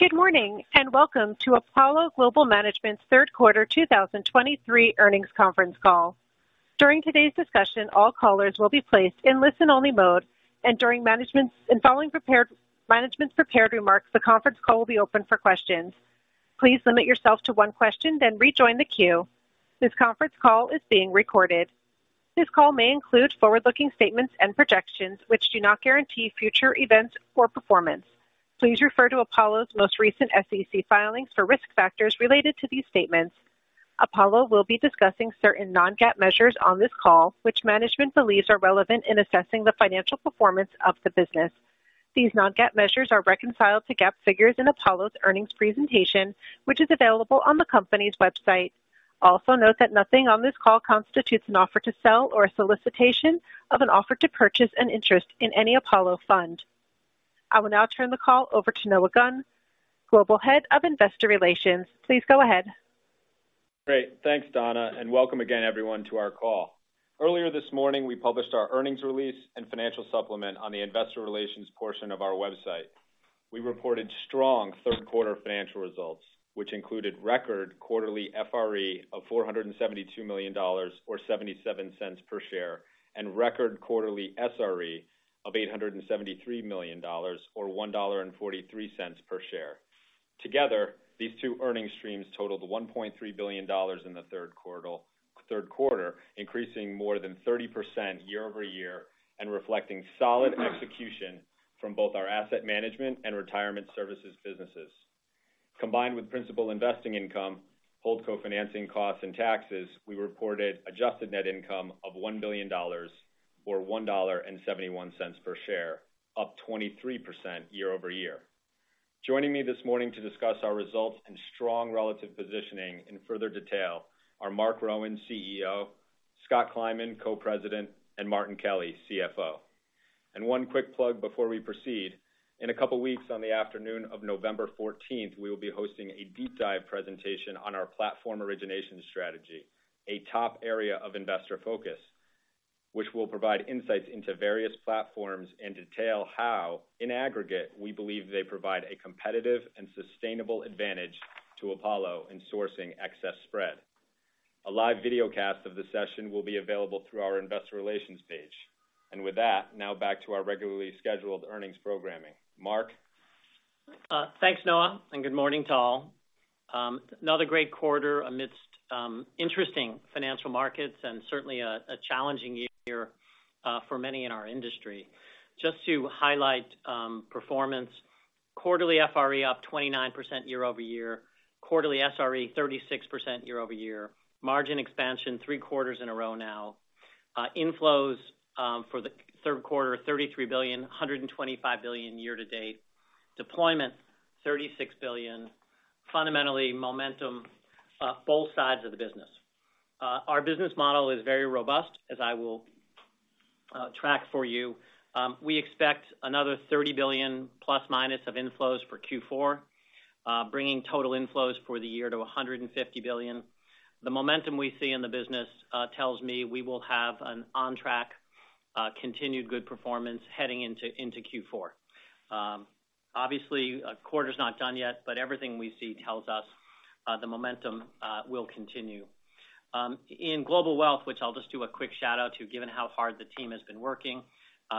Good morning, and welcome to Apollo Global Management's third quarter 2023 earnings conference call. During today's discussion, all callers will be placed in listen-only mode, and following management's prepared remarks, the conference call will be open for questions. Please limit yourself to one question, then rejoin the queue. This conference call is being recorded. This call may include forward-looking statements and projections, which do not guarantee future events or performance. Please refer to Apollo's most recent SEC filings for risk factors related to these statements. Apollo will be discussing certain non-GAAP measures on this call, which management believes are relevant in assessing the financial performance of the business. These non-GAAP measures are reconciled to GAAP figures in Apollo's earnings presentation, which is available on the company's website. Also note that nothing on this call constitutes an offer to sell or a solicitation of an offer to purchase an interest in any Apollo fund. I will now turn the call over to Noah Gunn, Global Head of Investor Relations. Please go ahead. Great. Thanks, Donna, and welcome again, everyone, to our call. Earlier this morning, we published our earnings release and financial supplement on the investor relations portion of our website. We reported strong third quarter financial results, which included record quarterly FRE of $472 million or 77 cents per share, and record quarterly SRE of $873 million or $1.43 per share. Together, these two earning streams totaled $1.3 billion in the third quarter, increasing more than 30% year-over-year, and reflecting solid execution from both our asset management and retirement services businesses. Combined with principal investing income, holdco financing costs and taxes, we reported adjusted net income of $1 billion or $1.71 per share, up 23% year-over-year. Joining me this morning to discuss our results and strong relative positioning in further detail are Marc Rowan, CEO, Scott Kleinman, Co-President, and Martin Kelly, CFO. One quick plug before we proceed. In a couple of weeks, on the afternoon of November 14, we will be hosting a deep dive presentation on our platform origination strategy, a top area of investor focus, which will provide insights into various platforms and detail how, in aggregate, we believe they provide a competitive and sustainable advantage to Apollo in sourcing excess spread. A live video cast of the session will be available through our investor relations page. With that, now back to our regularly scheduled earnings programming. Marc? Thanks, Noah, and good morning to all. Another great quarter amidst interesting financial markets and certainly a challenging year for many in our industry. Just to highlight performance, quarterly FRE up 29% year-over-year, quarterly SRE 36% year-over-year, margin expansion three quarters in a row now. Inflows for the third quarter $33 billion, $125 billion year to date. Deployment $36 billion. Fundamentally, momentum both sides of the business. Our business model is very robust, as I will track for you. We expect another $30 billion plus minus of inflows for Q4, bringing total inflows for the year to $150 billion. The momentum we see in the business tells me we will have an on track continued good performance heading into Q4. Obviously, a quarter is not done yet, but everything we see tells us the momentum will continue. In Global Wealth, which I'll just do a quick shout-out to, given how hard the team has been working,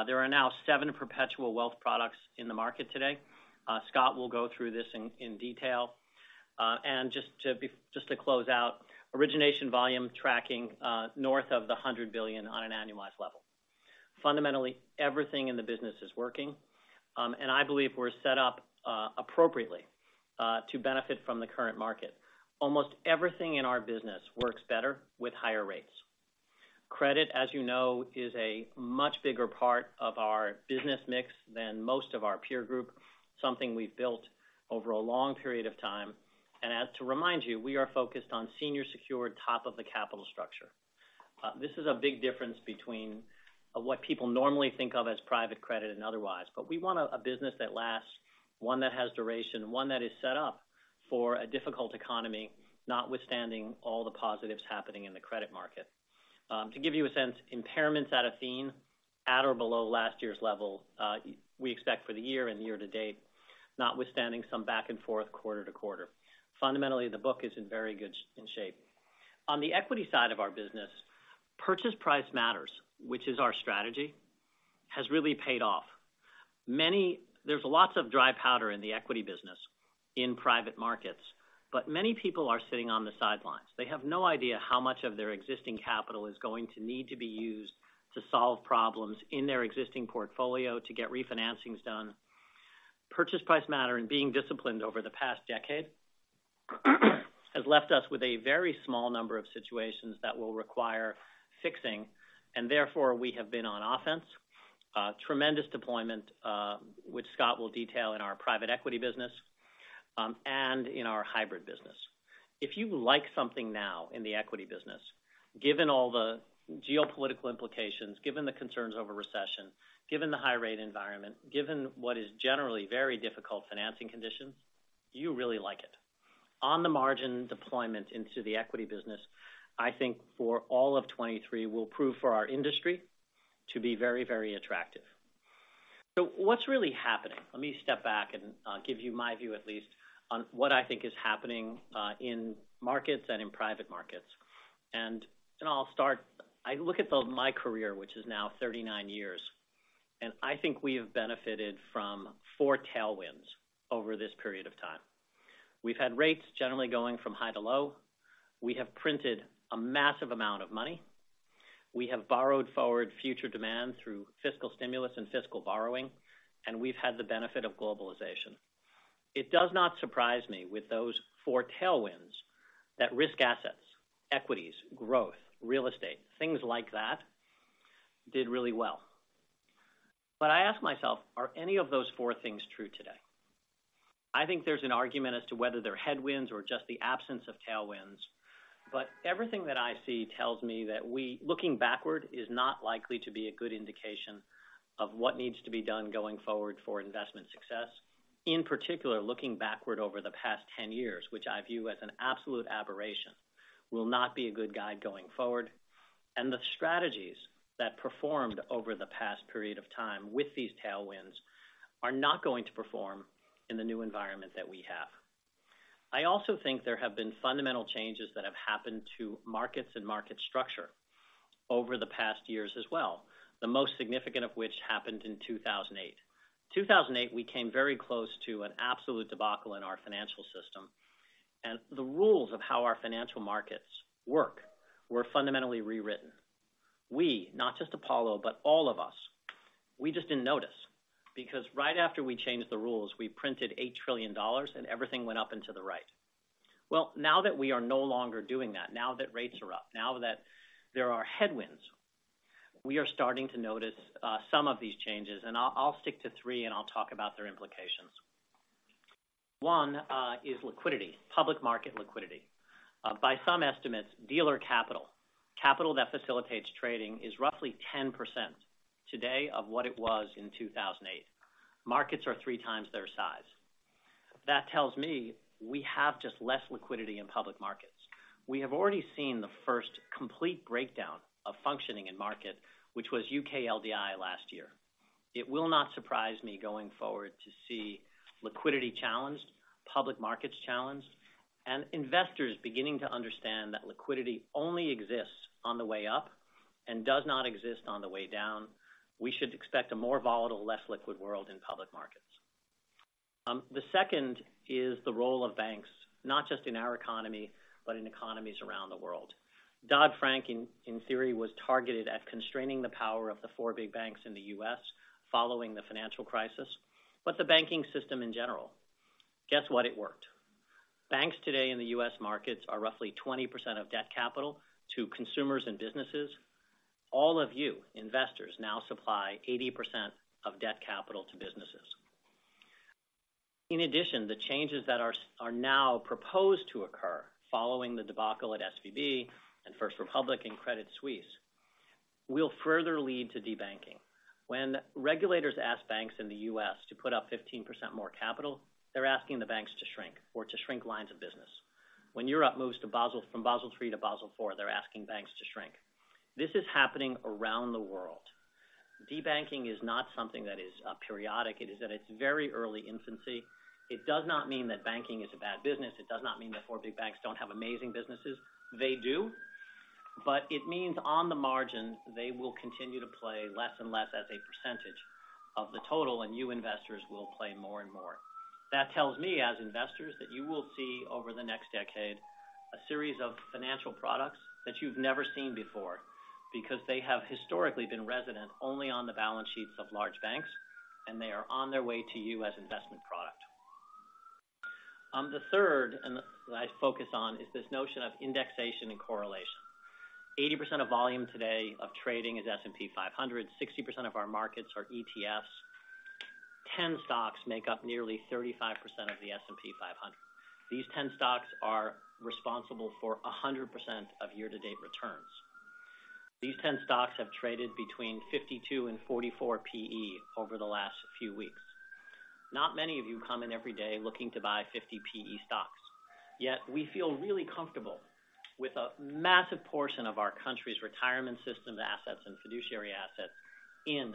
there are now seven perpetual wealth products in the market today. Scott will go through this in detail. And just to close out, origination volume tracking north of $100 billion on an annualized level. Fundamentally, everything in the business is working, and I believe we're set up appropriately to benefit from the current market. Almost everything in our business works better with higher rates. Credit, as you know, is a much bigger part of our business mix than most of our peer group, something we've built over a long period of time. As to remind you, we are focused on senior secured top of the capital structure. This is a big difference between what people normally think of as private credit and otherwise. But we want a business that lasts, one that has duration, one that is set up for a difficult economy, notwithstanding all the positives happening in the credit market. To give you a sense, impairments at Athene, at or below last year's level, we expect for the year and year to date, notwithstanding some back and forth quarter to quarter. Fundamentally, the book is in very good shape. On the equity side of our business, Purchase Price Matters, which is our strategy, has really paid off. Many. There's lots of dry powder in the equity business in private markets, but many people are sitting on the sidelines. They have no idea how much of their existing capital is going to need to be used to solve problems in their existing portfolio to get refinancings done. Purchase Price Matter and being disciplined over the past decade, has left us with a very small number of situations that will require fixing, and therefore, we have been on offense. Tremendous deployment, which Scott will detail in our private equity business, and in our hybrid business. If you like something now in the equity business, given all the geopolitical implications, given the concerns over recession, given the high rate environment, given what is generally very difficult financing conditions, you really like it... on the margin deployment into the equity business, I think for all of 2023 will prove for our industry to be very, very attractive. So what's really happening? Let me step back and give you my view, at least, on what I think is happening in markets and in private markets. And I'll start. I look at my career, which is now 39 years, and I think we have benefited from four tailwinds over this period of time. We've had rates generally going from high to low. We have printed a massive amount of money. We have borrowed forward future demand through fiscal stimulus and fiscal borrowing, and we've had the benefit of globalization. It does not surprise me with those four tailwinds, that risk assets, equities, growth, real estate, things like that, did really well. But I ask myself, are any of those four things true today? I think there's an argument as to whether they're headwinds or just the absence of tailwinds. But everything that I see tells me that we, looking backward is not likely to be a good indication of what needs to be done going forward for investment success. In particular, looking backward over the past 10 years, which I view as an absolute aberration, will not be a good guide going forward. And the strategies that performed over the past period of time with these tailwinds are not going to perform in the new environment that we have. I also think there have been fundamental changes that have happened to markets and market structure over the past years as well, the most significant of which happened in 2008. 2008, we came very close to an absolute debacle in our financial system, and the rules of how our financial markets work were fundamentally rewritten. We, not just Apollo, but all of us, we just didn't notice, because right after we changed the rules, we printed $8 trillion and everything went up into the right. Well, now that we are no longer doing that, now that rates are up, now that there are headwinds, we are starting to notice some of these changes, and I'll stick to three, and I'll talk about their implications. One is liquidity, public market liquidity. By some estimates, dealer capital, capital that facilitates trading, is roughly 10% today of what it was in 2008. Markets are three times their size. That tells me we have just less liquidity in public markets. We have already seen the first complete breakdown of functioning in market, which was UK LDI last year. It will not surprise me going forward to see liquidity challenged, public markets challenged, and investors beginning to understand that liquidity only exists on the way up and does not exist on the way down. We should expect a more volatile, less liquid world in public markets. The second is the role of banks, not just in our economy, but in economies around the world. Dodd-Frank, in theory, was targeted at constraining the power of the four big banks in the U.S. following the financial crisis, but the banking system in general. Guess what? It worked. Banks today in the U.S. markets are roughly 20% of debt capital to consumers and businesses. All of you, investors, now supply 80% of debt capital to businesses. In addition, the changes that are now proposed to occur following the debacle at SVB and First Republic and Credit Suisse will further lead to debanking. When regulators ask banks in the U.S. to put up 15% more capital, they're asking the banks to shrink or to shrink lines of business. When Europe moves to Basel, from Basel III to Basel IV, they're asking banks to shrink. This is happening around the world. Debanking is not something that is periodic. It is at its very early infancy. It does not mean that banking is a bad business. It does not mean that four big banks don't have amazing businesses. They do, but it means on the margin, they will continue to play less and less as a percentage of the total, and you, investors, will play more and more. That tells me, as investors, that you will see over the next decade, a series of financial products that you've never seen before, because they have historically been resident only on the balance sheets of large banks, and they are on their way to you as investment product. The third, and that I focus on, is this notion of indexation and correlation. 80% of volume today of trading is S&P 500. 60% of our markets are ETFs. 10 stocks make up nearly 35% of the S&P 500. These 10 stocks are responsible for 100% of year-to-date returns. These 10 stocks have traded between 52 and 44 PE over the last few weeks. Not many of you come in every day looking to buy 50 PE stocks, yet we feel really comfortable with a massive portion of our country's retirement system assets and fiduciary assets in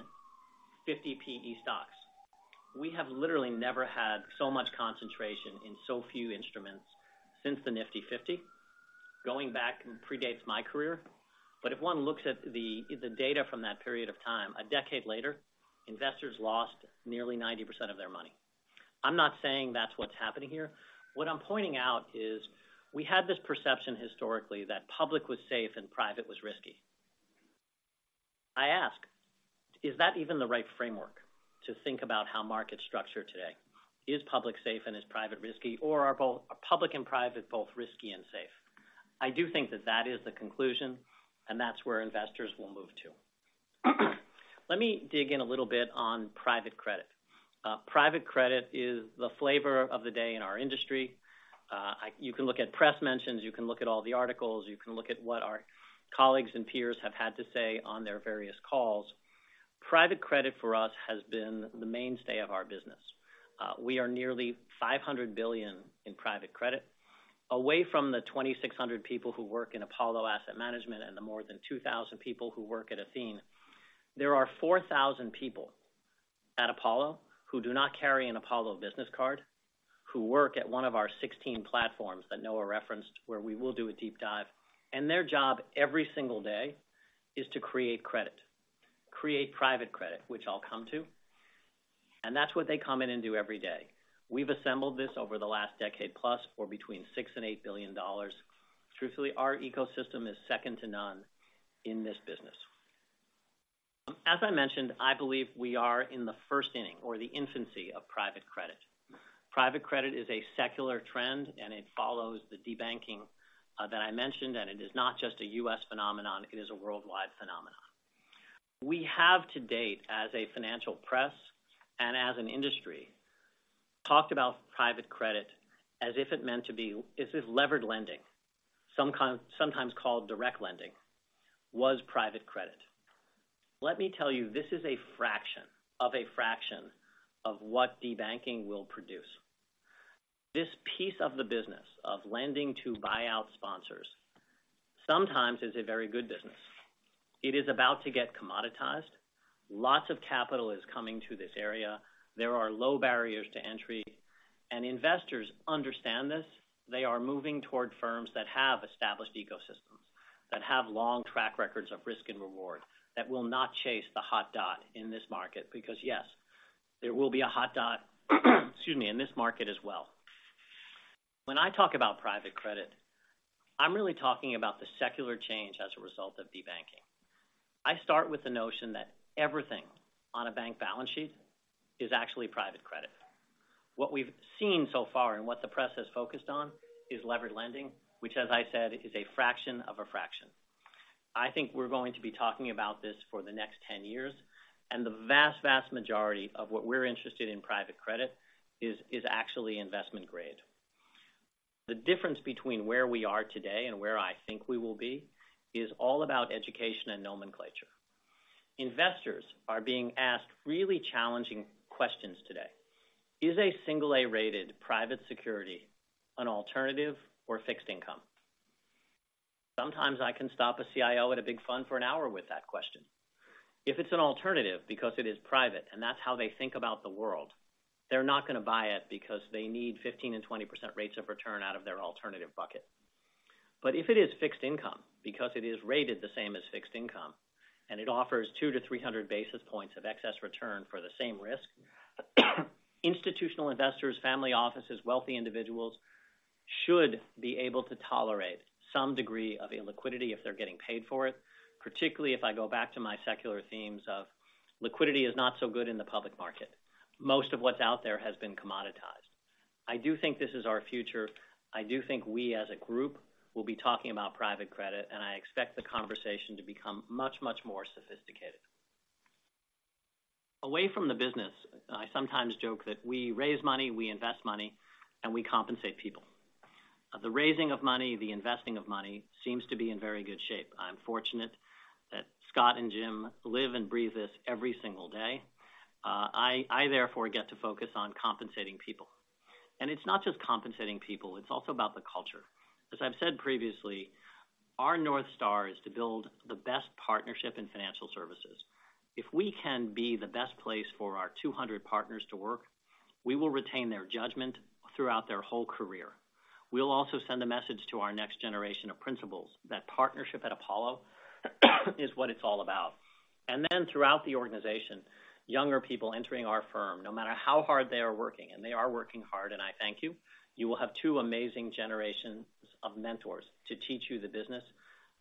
50 PE stocks. We have literally never had so much concentration in so few instruments since the Nifty Fifty. Going back predates my career, but if one looks at the data from that period of time, a decade later, investors lost nearly 90% of their money. I'm not saying that's what's happening here. What I'm pointing out is, we had this perception historically that public was safe and private was risky. I ask, is that even the right framework to think about how markets structure today? Is public safe and is private risky, or are both, are public and private, both risky and safe? I do think that that is the conclusion, and that's where investors will move to. Let me dig in a little bit on private credit. Private credit is the flavor of the day in our industry. You can look at press mentions, you can look at all the articles, you can look at what our colleagues and peers have had to say on their various calls.... Private credit for us has been the mainstay of our business. We are nearly $500 billion in private credit, away from the 2,600 people who work in Apollo Asset Management, and the more than 2,000 people who work at Athene. There are 4,000 people at Apollo who do not carry an Apollo business card, who work at one of our 16 platforms that Noah referenced, where we will do a deep dive, and their job every single day is to create credit. Create private credit, which I'll come to, and that's what they come in and do every day. We've assembled this over the last decade, plus for between $6 billion-$8 billion. Truthfully, our ecosystem is second to none in this business. As I mentioned, I believe we are in the first inning or the infancy of private credit. Private credit is a secular trend, and it follows the debanking that I mentioned, and it is not just a U.S. phenomenon, it is a worldwide phenomenon. We have, to date, as a financial press and as an industry, talked about private credit as if it meant to be, as if levered lending, sometimes called direct lending, was private credit. Let me tell you, this is a fraction of a fraction of what debanking will produce. This piece of the business of lending to buyout sponsors, sometimes is a very good business. It is about to get commoditized. Lots of capital is coming to this area. There are low barriers to entry, and investors understand this. They are moving toward firms that have established ecosystems, that have long track records of risk and reward, that will not chase the hot dot in this market, because, yes, there will be a hot dot, excuse me, in this market as well. When I talk about private credit, I'm really talking about the secular change as a result of debanking. I start with the notion that everything on a bank balance sheet is actually private credit. What we've seen so far and what the press has focused on is levered lending, which, as I said, is a fraction of a fraction. I think we're going to be talking about this for the next 10 years, and the vast, vast majority of what we're interested in private credit is actually investment grade. The difference between where we are today and where I think we will be is all about education and nomenclature. Investors are being asked really challenging questions today. Is a single A-rated private security an alternative or fixed income? Sometimes I can stop a CIO at a big fund for an hour with that question. If it's an alternative because it is private, and that's how they think about the world, they're not gonna buy it because they need 15% and 20% rates of return out of their alternative bucket. But if it is fixed income, because it is rated the same as fixed income, and it offers 200-300 basis points of excess return for the same risk, institutional investors, family offices, wealthy individuals, should be able to tolerate some degree of illiquidity if they're getting paid for it, particularly if I go back to my secular themes of liquidity is not so good in the public market. Most of what's out there has been commoditized. I do think this is our future. I do think we, as a group, will be talking about private credit, and I expect the conversation to become much, much more sophisticated. Away from the business, I sometimes joke that we raise money, we invest money, and we compensate people. The raising of money, the investing of money, seems to be in very good shape. I'm fortunate that Scott and Jim live and breathe this every single day. I therefore get to focus on compensating people. It's not just compensating people, it's also about the culture. As I've said previously, our North Star is to build the best partnership in financial services. If we can be the best place for our 200 partners to work, we will retain their judgment throughout their whole career. We'll also send a message to our next generation of principals, that partnership at Apollo is what it's all about. And then throughout the organization, younger people entering our firm, no matter how hard they are working, and they are working hard, and I thank you, you will have two amazing generations of mentors to teach you the business.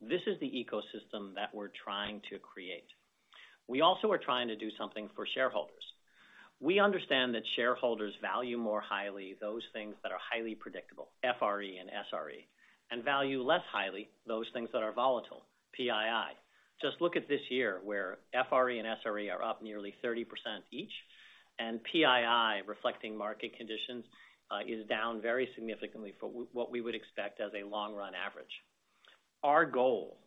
This is the ecosystem that we're trying to create. We also are trying to do something for shareholders. We understand that shareholders value more highly those things that are highly predictable, FRE and SRE, and value less highly those things that are volatile, PII. Just look at this year, where FRE and SRE are up nearly 30% each, and PII, reflecting market conditions, is down very significantly for what we would expect as a long run average. Our goal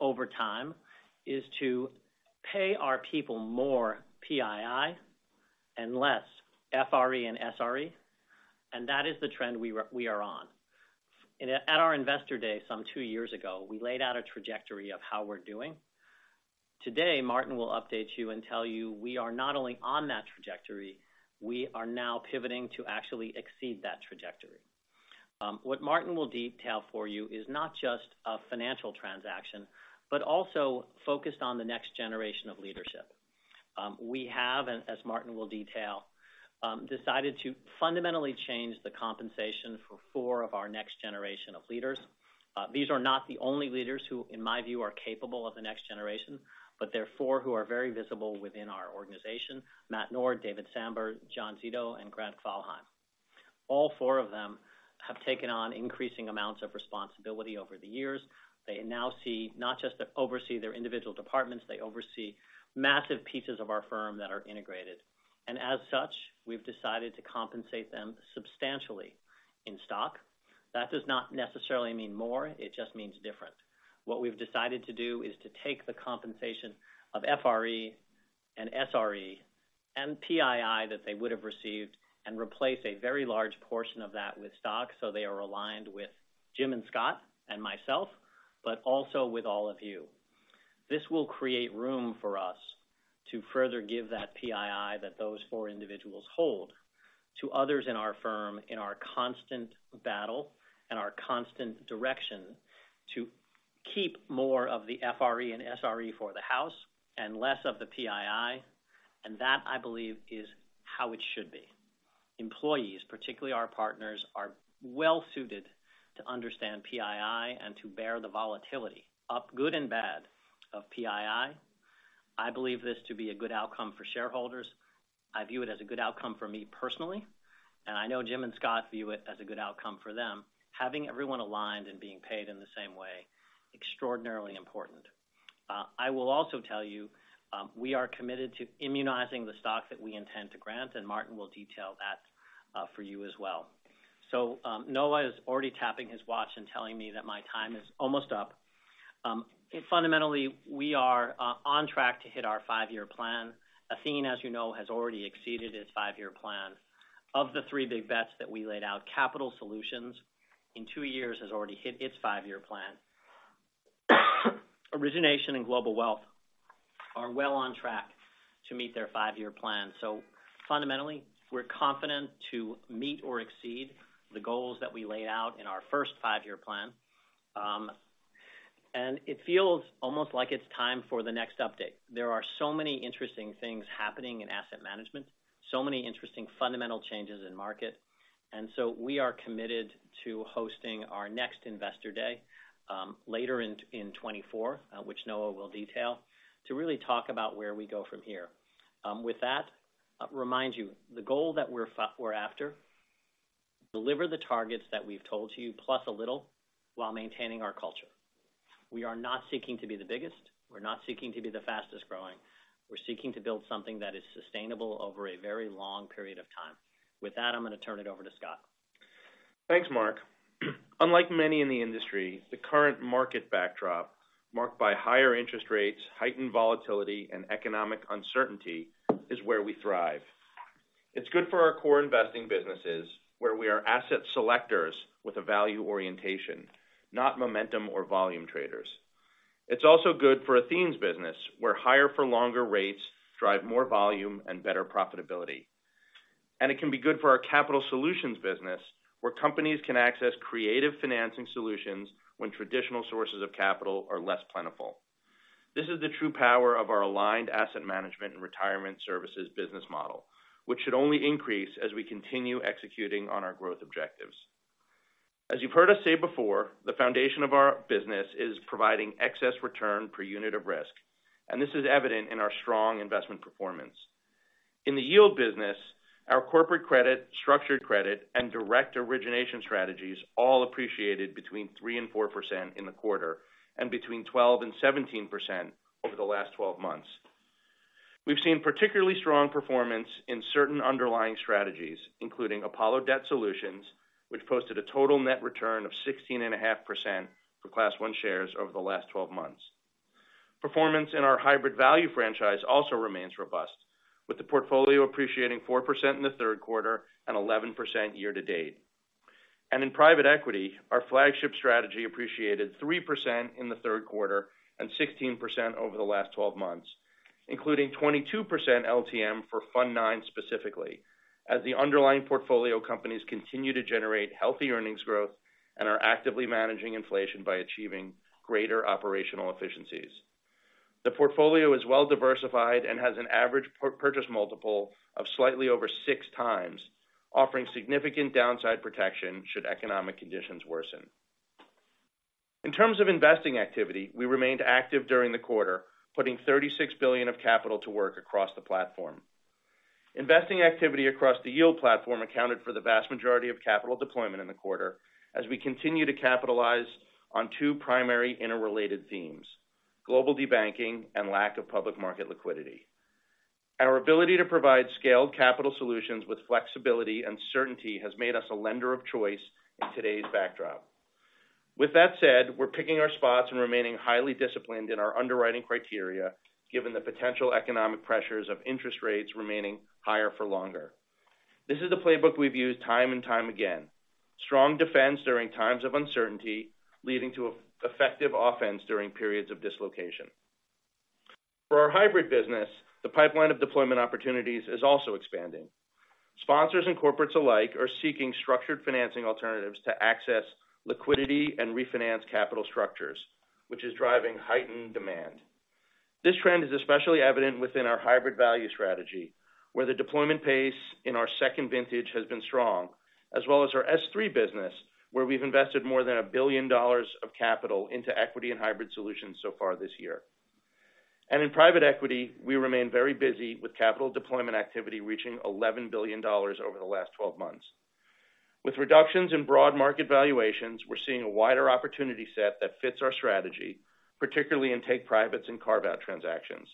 over time is to pay our people more PII and less FRE and SRE, and that is the trend we are on. At our Investor Day, some two years ago, we laid out a trajectory of how we're doing. Today, Martin will update you and tell you we are not only on that trajectory, we are now pivoting to actually exceed that trajectory. What Martin will detail for you is not just a financial transaction, but also focused on the next generation of leadership. We have, as Martin will detail, decided to fundamentally change the compensation for four of our next generation of leaders. These are not the only leaders who, in my view, are capable of the next generation, but there are four who are very visible within our organization: Matt Nord, David Sambur, John Zito, and Grant Kvalheim. All four of them have taken on increasing amounts of responsibility over the years. They now see, not just to oversee their individual departments, they oversee massive pieces of our firm that are integrated. And as such, we've decided to compensate them substantially... in stock. That does not necessarily mean more, it just means different. What we've decided to do is to take the compensation of FRE and SRE and PII that they would have received, and replace a very large portion of that with stock, so they are aligned with Jim and Scott and myself, but also with all of you. This will create room for us to further give that PII that those four individuals hold to others in our firm, in our constant battle and our constant direction to keep more of the FRE and SRE for the house and less of the PII, and that, I believe, is how it should be. Employees, particularly our partners, are well-suited to understand PII and to bear the volatility, up good and bad, of PII. I believe this to be a good outcome for shareholders. I view it as a good outcome for me personally, and I know Jim and Scott view it as a good outcome for them. Having everyone aligned and being paid in the same way, extraordinarily important. I will also tell you, we are committed to immunizing the stock that we intend to grant, and Martin will detail that, for you as well. So, Noah is already tapping his watch and telling me that my time is almost up. Fundamentally, we are, on track to hit our five-year plan. Athene, as you know, has already exceeded its five-year plan. Of the three big bets that we laid out, Capital Solutions, in two years, has already hit its five-year plan. Origination and Global Wealth are well on track to meet their five-year plan. So fundamentally, we're confident to meet or exceed the goals that we laid out in our first five-year plan. And it feels almost like it's time for the next update. There are so many interesting things happening in asset management, so many interesting fundamental changes in market, and so we are committed to hosting our next Investor Day, later in 2024, which Noah will detail, to really talk about where we go from here. With that, I'll remind you, the goal that we're after, deliver the targets that we've told you, plus a little, while maintaining our culture. We are not seeking to be the biggest, we're not seeking to be the fastest growing. We're seeking to build something that is sustainable over a very long period of time. With that, I'm gonna turn it over to Scott. Thanks, Marc. Unlike many in the industry, the current market backdrop, marked by higher interest rates, heightened volatility, and economic uncertainty, is where we thrive. It's good for our core investing businesses, where we are asset selectors with a value orientation, not momentum or volume traders. It's also good for Athene's business, where higher for longer rates drive more volume and better profitability. And it can be good for our Capital Solutions business, where companies can access creative financing solutions when traditional sources of capital are less plentiful. This is the true power of our aligned asset management and retirement services business model, which should only increase as we continue executing on our growth objectives. As you've heard us say before, the foundation of our business is providing excess return per unit of risk, and this is evident in our strong investment performance. In the yield business, our corporate credit, structured credit, and direct origination strategies all appreciated between 3%-4% in the quarter, and between 12%-17% over the last twelve months. We've seen particularly strong performance in certain underlying strategies, including Apollo Debt Solutions, which posted a total net return of 16.5% for Class I shares over the last twelve months. Performance in our Hybrid Value franchise also remains robust, with the portfolio appreciating 4% in the third quarter and 11% year to date. In private equity, our flagship strategy appreciated 3% in the third quarter and 16% over the last twelve months, including 22% LTM for Fund IX specifically, as the underlying portfolio companies continue to generate healthy earnings growth and are actively managing inflation by achieving greater operational efficiencies. The portfolio is well-diversified and has an average purchase multiple of slightly over 6x, offering significant downside protection should economic conditions worsen. In terms of investing activity, we remained active during the quarter, putting $36 billion of capital to work across the platform. Investing activity across the yield platform accounted for the vast majority of capital deployment in the quarter, as we continue to capitalize on two primary interrelated themes: global debanking and lack of public market liquidity. Our ability to provide scaled Capital Solutions with flexibility and certainty has made us a lender of choice in today's backdrop. With that said, we're picking our spots and remaining highly disciplined in our underwriting criteria, given the potential economic pressures of interest rates remaining higher for longer. This is the playbook we've used time and time again. Strong defense during times of uncertainty, leading to effective offense during periods of dislocation. For our hybrid business, the pipeline of deployment opportunities is also expanding. Sponsors and corporates alike are seeking structured financing alternatives to access liquidity and refinance capital structures, which is driving heightened demand. This trend is especially evident within our hybrid value strategy, where the deployment pace in our second vintage has been strong, as well as our S3 business, where we've invested more than $1 billion of capital into equity and hybrid solutions so far this year. And in private equity, we remain very busy with capital deployment activity, reaching $11 billion over the last 12 months. With reductions in broad market valuations, we're seeing a wider opportunity set that fits our strategy, particularly in take-privates and carve-out transactions....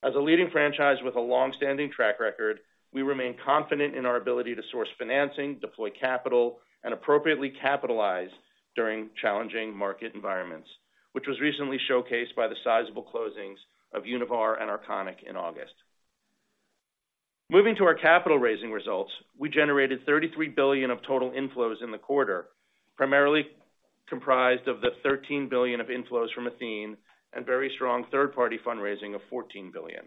As a leading franchise with a long-standing track record, we remain confident in our ability to source financing, deploy capital, and appropriately capitalize during challenging market environments, which was recently showcased by the sizable closings of Univar and Arconic in August. Moving to our capital raising results, we generated $33 billion of total inflows in the quarter, primarily comprised of the $13 billion of inflows from Athene and very strong third-party fundraising of $14 billion.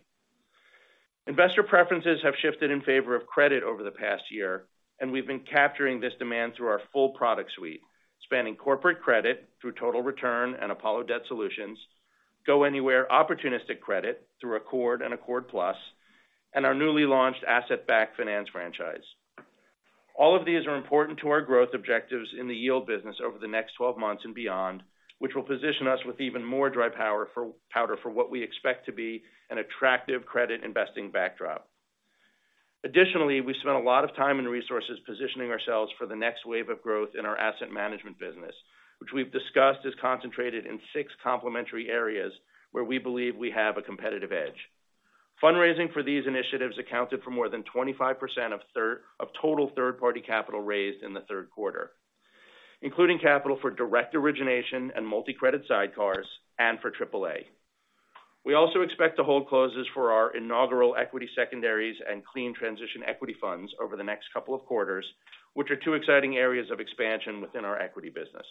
Investor preferences have shifted in favor of credit over the past year, and we've been capturing this demand through our full product suite, spanning corporate credit through total return and Apollo Debt Solutions, go-anywhere opportunistic credit through Accord and Accord Plus, and our newly launched asset-backed finance franchise. All of these are important to our growth objectives in the yield business over the next 12 months and beyond, which will position us with even more dry powder for what we expect to be an attractive credit investing backdrop. Additionally, we spent a lot of time and resources positioning ourselves for the next wave of growth in our asset management business, which we've discussed is concentrated in six complementary areas where we believe we have a competitive edge. Fundraising for these initiatives accounted for more than 25% of total third-party capital raised in the third quarter, including capital for direct origination and multi-credit sidecars and for AAA. We also expect to hold closes for our inaugural equity secondaries and Clean Transition Equity funds over the next couple of quarters, which are two exciting areas of expansion within our equity business.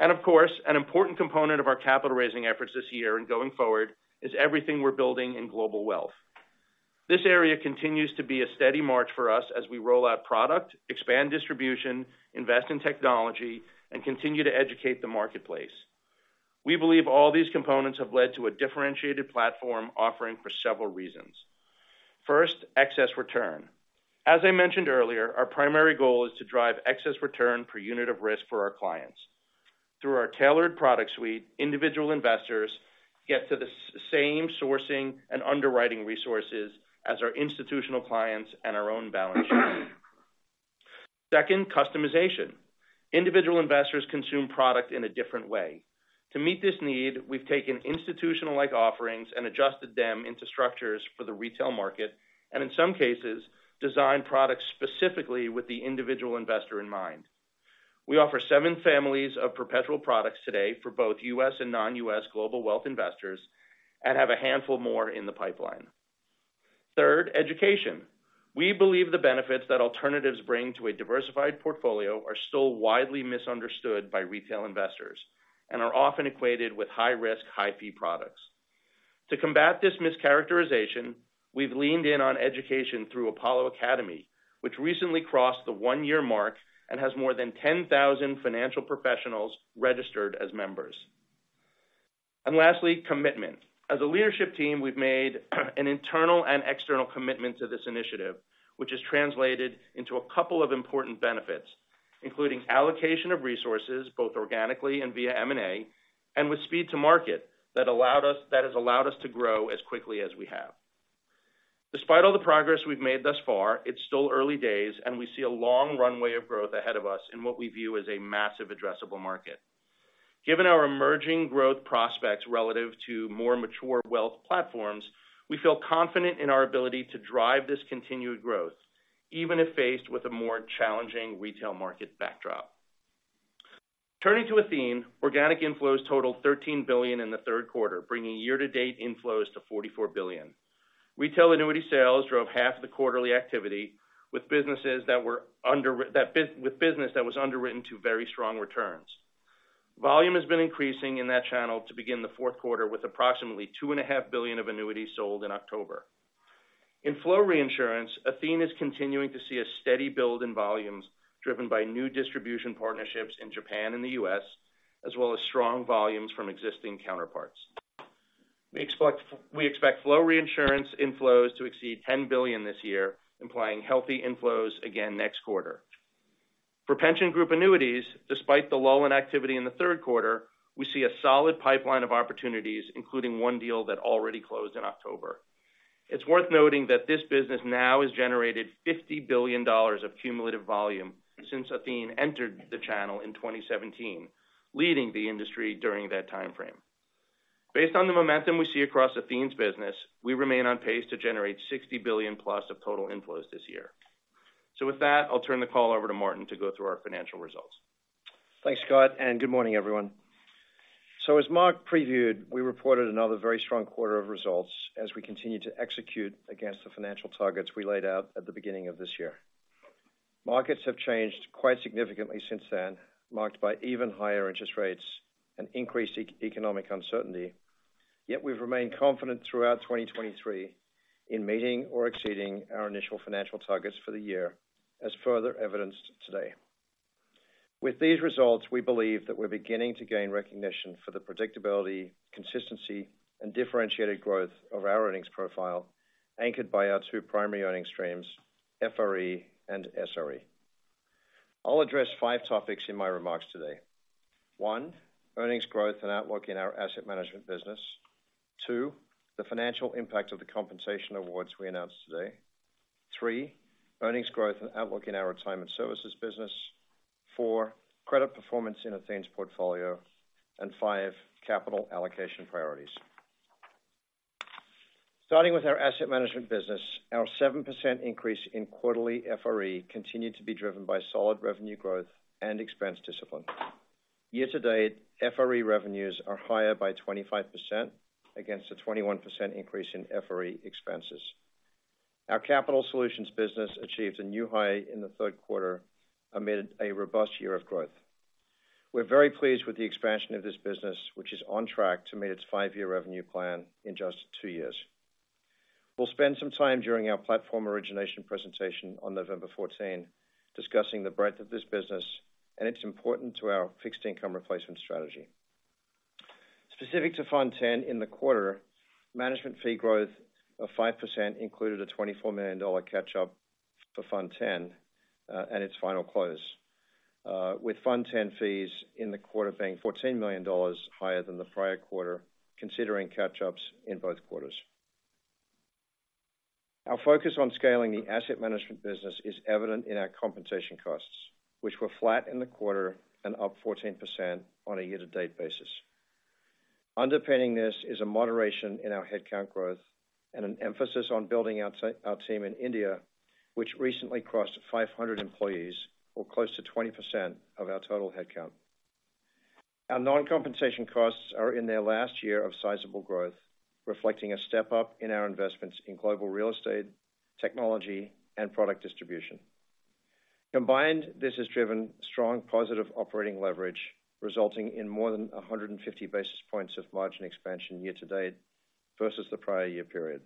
Of course, an important component of our capital raising efforts this year and going forward is everything we're building in Global Wealth. This area continues to be a steady march for us as we roll out product, expand distribution, invest in technology, and continue to educate the marketplace. We believe all these components have led to a differentiated platform offering for several reasons. First, excess return. As I mentioned earlier, our primary goal is to drive excess return per unit of risk for our clients. Through our tailored product suite, individual investors get to the same sourcing and underwriting resources as our institutional clients and our own balance sheet. Second, customization. Individual investors consume product in a different way. To meet this need, we've taken institutional-like offerings and adjusted them into structures for the retail market, and in some cases, designed products specifically with the individual investor in mind. We offer seven families of perpetual products today for both US and non-US Global Wealth investors, and have a handful more in the pipeline. Third, education. We believe the benefits that alternatives bring to a diversified portfolio are still widely misunderstood by retail investors, and are often equated with high risk, high fee products. To combat this mischaracterization, we've leaned in on education through Apollo Academy, which recently crossed the one-year mark and has more than 10,000 financial professionals registered as members. And lastly, commitment. As a leadership team, we've made an internal and external commitment to this initiative, which has translated into a couple of important benefits, including allocation of resources, both organically and via M&A, and with speed to market, that has allowed us to grow as quickly as we have. Despite all the progress we've made thus far, it's still early days, and we see a long runway of growth ahead of us in what we view as a massive addressable market. Given our emerging growth prospects relative to more mature wealth platforms, we feel confident in our ability to drive this continued growth, even if faced with a more challenging retail market backdrop. Turning to Athene, organic inflows totaled $13 billion in the third quarter, bringing year-to-date inflows to $44 billion. Retail annuity sales drove half the quarterly activity with business that was underwritten to very strong returns. Volume has been increasing in that channel to begin the fourth quarter, with approximately $2.5 billion of annuities sold in October. In flow reinsurance, Athene is continuing to see a steady build in volumes, driven by new distribution partnerships in Japan and the U.S., as well as strong volumes from existing counterparts. We expect flow reinsurance inflows to exceed $10 billion this year, implying healthy inflows again next quarter. For pension group annuities, despite the lull in activity in the third quarter, we see a solid pipeline of opportunities, including one deal that already closed in October. It's worth noting that this business now has generated $50 billion of cumulative volume since Athene entered the channel in 2017, leading the industry during that time frame. Based on the momentum we see across Athene's business, we remain on pace to generate $60 billion+ of total inflows this year. So with that, I'll turn the call over to Martin to go through our financial results. Thanks, Scott, and good morning, everyone. So as Marc previewed, we reported another very strong quarter of results as we continue to execute against the financial targets we laid out at the beginning of this year. Markets have changed quite significantly since then, marked by even higher interest rates and increased economic uncertainty. Yet we've remained confident throughout 2023 in meeting or exceeding our initial financial targets for the year, as further evidenced today. With these results, we believe that we're beginning to gain recognition for the predictability, consistency, and differentiated growth of our earnings profile, anchored by our two primary earnings streams, FRE and SRE. I'll address five topics in my remarks today. One, earnings growth and outlook in our asset management business. Two, the financial impact of the compensation awards we announced today. Three, earnings growth and outlook in our retirement services business. Four, credit performance in Athene's portfolio, and five, capital allocation priorities. Starting with our asset management business, our 7% increase in quarterly FRE continued to be driven by solid revenue growth and expense discipline. Year-to-date, FRE revenues are higher by 25% against a 21% increase in FRE expenses. Our Capital Solutions business achieved a new high in the third quarter, amid a robust year of growth. We're very pleased with the expansion of this business, which is on track to meet its five-year revenue plan in just two years. We'll spend some time during our platform origination presentation on November fourteen, discussing the breadth of this business, and it's important to our fixed income replacement strategy. Specific to Fund X in the quarter, management fee growth of 5% included a $24 million catch-up for Fund X at its final close. With Fund X fees in the quarter being $14 million higher than the prior quarter, considering catch-ups in both quarters. Our focus on scaling the asset management business is evident in our compensation costs, which were flat in the quarter and up 14% on a year-to-date basis. Underpinning this is a moderation in our headcount growth and an emphasis on building our team in India, which recently crossed 500 employees, or close to 20% of our total headcount. Our non-compensation costs are in their last year of sizable growth, reflecting a step-up in our investments in global real estate, technology, and product distribution. Combined, this has driven strong positive operating leverage, resulting in more than 150 basis points of margin expansion year to date, versus the prior year period.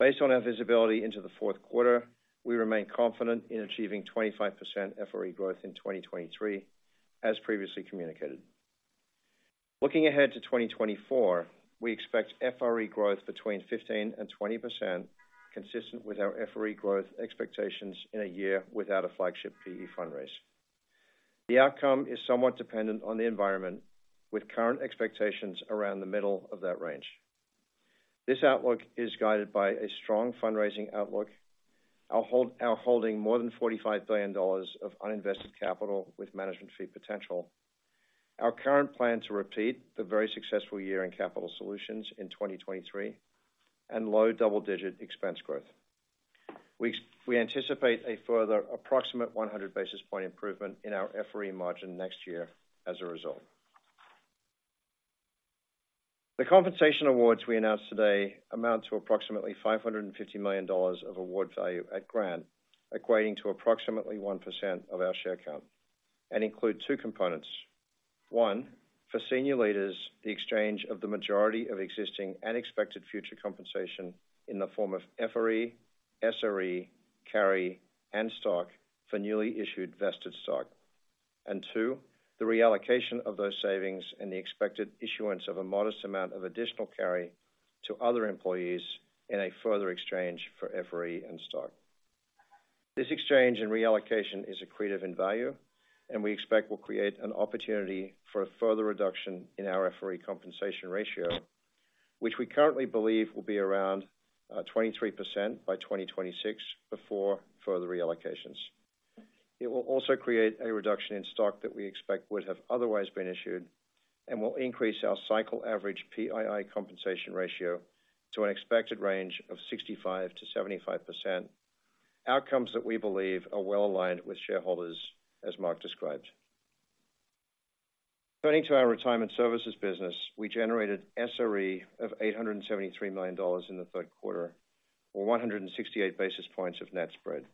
Based on our visibility into the fourth quarter, we remain confident in achieving 25% FRE growth in 2023, as previously communicated. Looking ahead to 2024, we expect FRE growth between 15% and 20%, consistent with our FRE growth expectations in a year without a flagship PE fundraise. The outcome is somewhat dependent on the environment, with current expectations around the middle of that range. This outlook is guided by a strong fundraising outlook. Our holding more than $45 billion of uninvested capital with management fee potential. Our current plan to repeat the very successful year in Capital Solutions in 2023, and low double-digit expense growth. We anticipate a further approximate 100 basis point improvement in our FRE margin next year as a result. The compensation awards we announced today amount to approximately $550 million of award value at grant, equating to approximately 1% of our share count, and include two components. One, for senior leaders, the exchange of the majority of existing and expected future compensation in the form of FRE, SRE, carry, and stock for newly issued vested stock. And two, the reallocation of those savings and the expected issuance of a modest amount of additional carry to other employees in a further exchange for FRE and stock. This exchange and reallocation is accretive in value, and we expect will create an opportunity for a further reduction in our FRE compensation ratio, which we currently believe will be around 23% by 2026, before further reallocations. It will also create a reduction in stock that we expect would have otherwise been issued, and will increase our cycle average PII compensation ratio to an expected range of 65%-75%. Outcomes that we believe are well aligned with shareholders, as Mark described. Turning to our retirement services business, we generated SRE of $873 million in the third quarter, or 168 basis points of net spread.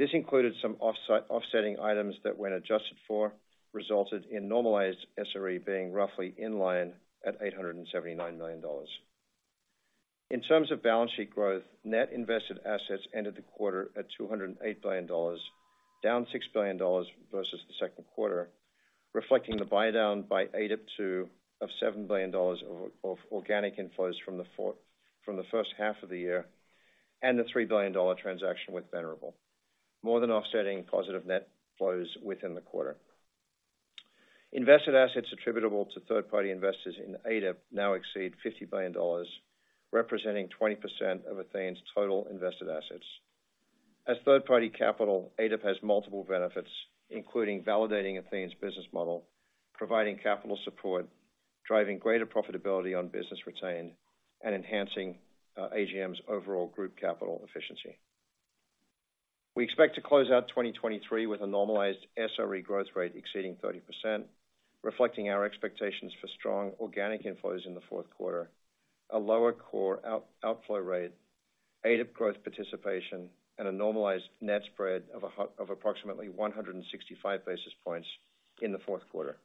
This included some offsetting items that, when adjusted for, resulted in normalized SRE being roughly in line at $879 million. In terms of balance sheet growth, net invested assets ended the quarter at $208 billion, down $6 billion versus the second quarter, reflecting the buydown by ADIP II of $7 billion of organic inflows from the first half of the year, and the $3 billion transaction with Venerable, more than offsetting positive net flows within the quarter. Invested assets attributable to third-party investors in ADIP now exceed $50 billion, representing 20% of Athene's total invested assets. As third-party capital, ADIP has multiple benefits, including validating Athene's business model, providing capital support, driving greater profitability on business retained, and enhancing AGM's overall group capital efficiency. We expect to close out 2023 with a normalized SRE growth rate exceeding 30%, reflecting our expectations for strong organic inflows in the fourth quarter, a lower core outflow rate, ADIP growth participation, and a normalized net spread of approximately 165 basis points in the fourth quarter.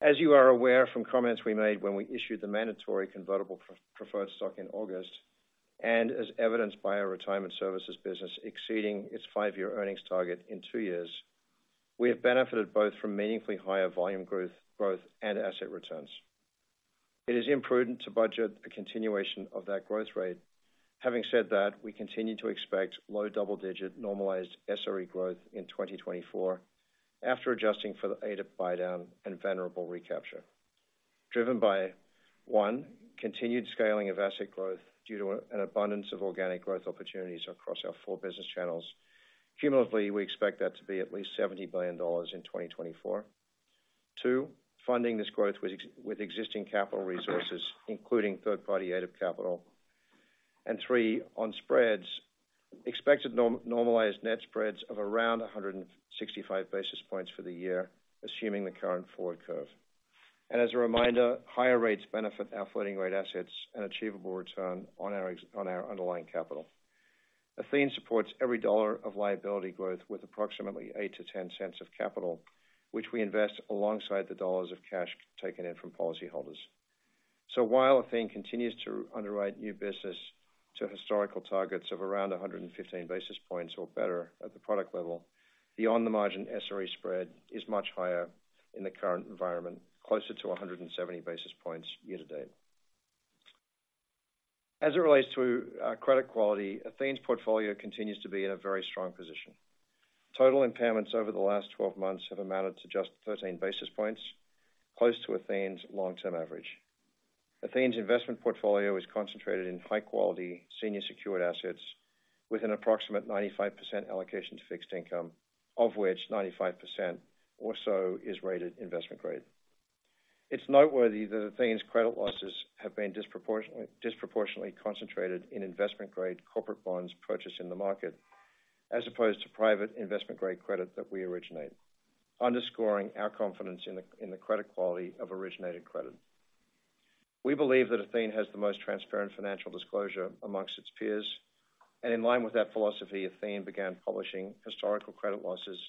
As you are aware from comments we made when we issued the mandatory convertible preferred stock in August, and as evidenced by our retirement services business exceeding its five-year earnings target in two years, we have benefited both from meaningfully higher volume growth and asset returns. It is imprudent to budget a continuation of that growth rate. Having said that, we continue to expect low double-digit normalized SRE growth in 2024, after adjusting for the ADIP buydown and Venerable recapture.... driven by one, continued scaling of asset growth due to an abundance of organic growth opportunities across our four business channels. Cumulatively, we expect that to be at least $70 billion in 2024. Two, funding this growth with existing capital resources, including third-party capital. And three, on spreads, expected normalized net spreads of around 165 basis points for the year, assuming the current forward curve. And as a reminder, higher rates benefit our floating rate assets and achievable return on our underlying capital. Athene supports every dollar of liability growth with approximately $0.08-$0.10 of capital, which we invest alongside the dollars of cash taken in from policyholders. So while Athene continues to underwrite new business to historical targets of around 115 basis points or better at the product level, beyond the margin, SRE spread is much higher in the current environment, closer to 170 basis points year to date. As it relates to, credit quality, Athene's portfolio continues to be in a very strong position. Total impairments over the last 12 months have amounted to just 13 basis points, close to Athene's long-term average. Athene's investment portfolio is concentrated in high-quality, senior secured assets with an approximate 95% allocation to fixed income, of which 95% or so is rated investment grade. It's noteworthy that Athene's credit losses have been disproportionately concentrated in investment-grade corporate bonds purchased in the market, as opposed to private investment-grade credit that we originate, underscoring our confidence in the credit quality of originated credit. We believe that Athene has the most transparent financial disclosure amongst its peers, and in line with that philosophy, Athene began publishing historical credit losses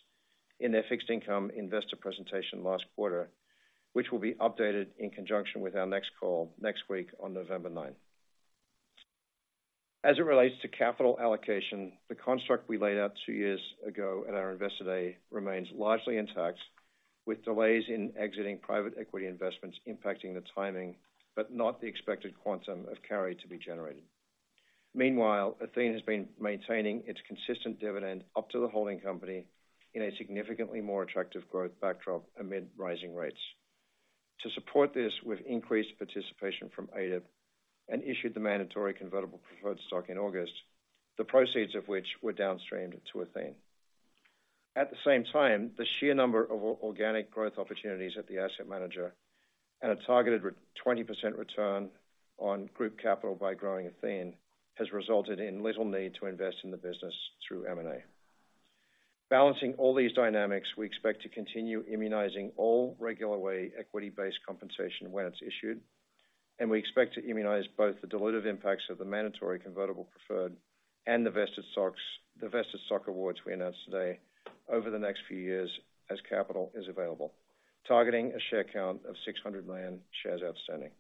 in their fixed income investor presentation last quarter, which will be updated in conjunction with our next call next week on November ninth. As it relates to capital allocation, the construct we laid out two years ago at our Investor Day remains largely intact, with delays in exiting private equity investments impacting the timing, but not the expected quantum of carry to be generated. Meanwhile, Athene has been maintaining its consistent dividend up to the holding company in a significantly more attractive growth backdrop amid rising rates. To support this with increased participation from ADIP and issued the mandatory convertible preferred stock in August, the proceeds of which were downstreamed to Athene. At the same time, the sheer number of organic growth opportunities at the asset manager and a targeted 20% return on group capital by growing Athene, has resulted in little need to invest in the business through M&A. Balancing all these dynamics, we expect to continue immunizing all regular way equity-based compensation when it's issued, and we expect to immunize both the dilutive impacts of the mandatory convertible preferred and the vested stock awards we announced today over the next few years as capital is available, targeting a share count of 600 million shares outstanding.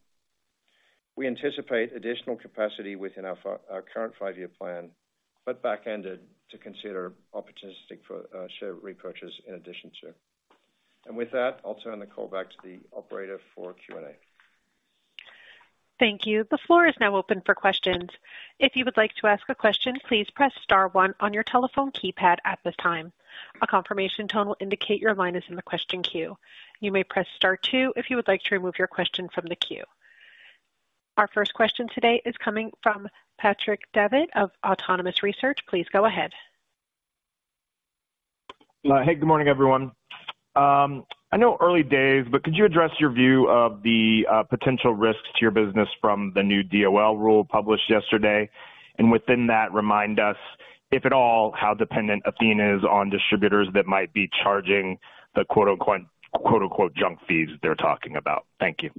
We anticipate additional capacity within our current five-year plan, but back-ended to consider opportunistic for share repurchases in addition to. With that, I'll turn the call back to the operator for Q&A. Thank you. The floor is now open for questions. If you would like to ask a question, please press star one on your telephone keypad at this time. A confirmation tone will indicate your line is in the question queue. You may press star two if you would like to remove your question from the queue. Our first question today is coming from Patrick Davitt of Autonomous Research. Please go ahead. Hey, good morning, everyone. I know early days, but could you address your view of the potential risks to your business from the new DOL rule published yesterday? And within that, remind us, if at all, how dependent Athene is on distributors that might be charging the "junk fees" they're talking about. Thank you.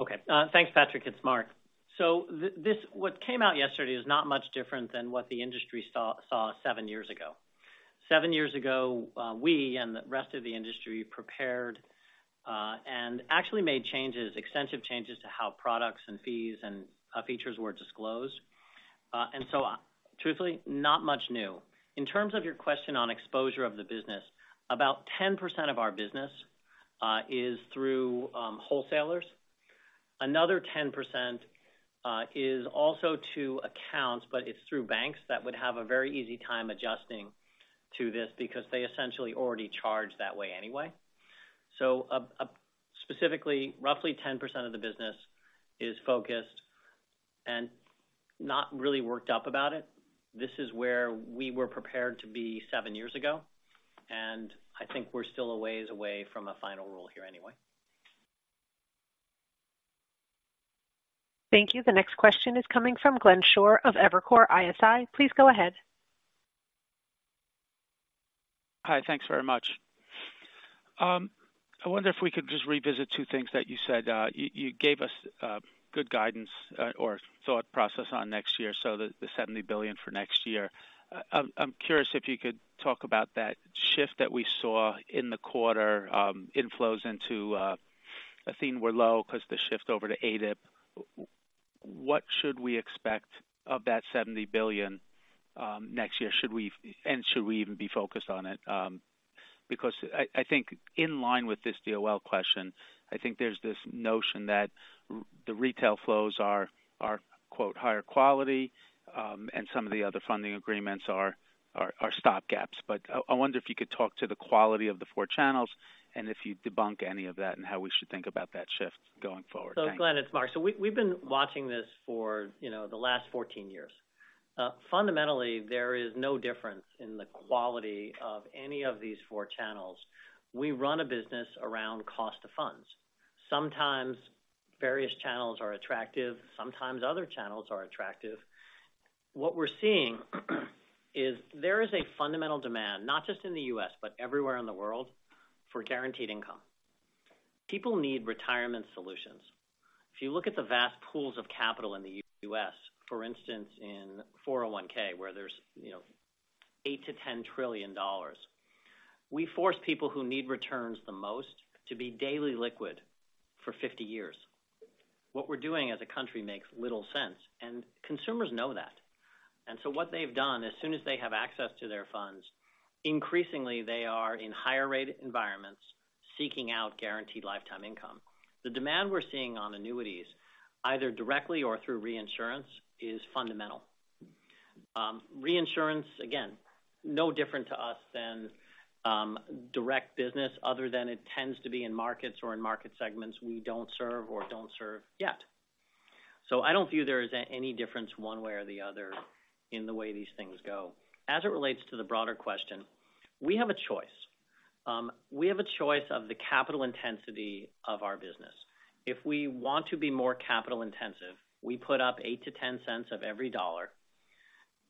Okay, thanks, Patrick. It's Marc. So this, what came out yesterday is not much different than what the industry saw seven years ago. Seven years ago, we and the rest of the industry prepared and actually made changes, extensive changes to how products and fees and features were disclosed. And so, truthfully, not much new. In terms of your question on exposure of the business, about 10% of our business is through wholesalers. Another 10% is also to accounts, but it's through banks that would have a very easy time adjusting to this because they essentially already charge that way anyway. So specifically, roughly 10% of the business is focused and not really worked up about it. This is where we were prepared to be seven years ago, and I think we're still a ways away from a final rule here anyway. Thank you. The next question is coming from Glenn Schorr of Evercore ISI. Please go ahead. Hi, thanks very much. I wonder if we could just revisit two things that you said. You gave us good guidance or thought process on next year, so the $70 billion for next year. I'm curious if you could talk about that shift that we saw in the quarter. Inflows into Athene were low because the shift over to ADIP. What should we expect of that $70 billion next year? Should we—and should we even be focused on it? Because I think in line with this DOL question, I think there's this notion that the retail flows are “higher quality,” and some of the other funding agreements are stopgaps. I wonder if you could talk to the quality of the four channels, and if you'd debunk any of that and how we should think about that shift going forward. So Glenn, it's Mark. So we, we've been watching this for, you know, the last 14 years.... Fundamentally, there is no difference in the quality of any of these four channels. We run a business around cost of funds. Sometimes various channels are attractive, sometimes other channels are attractive. What we're seeing is there is a fundamental demand, not just in the U.S., but everywhere in the world, for guaranteed income. People need retirement solutions. If you look at the vast pools of capital in the U.S., for instance, in 401(k), where there's, you know, $8 trillion-$10 trillion, we force people who need returns the most to be daily liquid for 50 years. What we're doing as a country makes little sense, and consumers know that. What they've done, as soon as they have access to their funds, increasingly they are in higher rate environments seeking out guaranteed lifetime income. The demand we're seeing on annuities, either directly or through reinsurance, is fundamental. Reinsurance, again, no different to us than direct business other than it tends to be in markets or in market segments we don't serve or don't serve yet. So I don't view there is any difference one way or the other in the way these things go. As it relates to the broader question, we have a choice. We have a choice of the capital intensity of our business. If we want to be more capital intensive, we put up eight to ten cents of every dollar,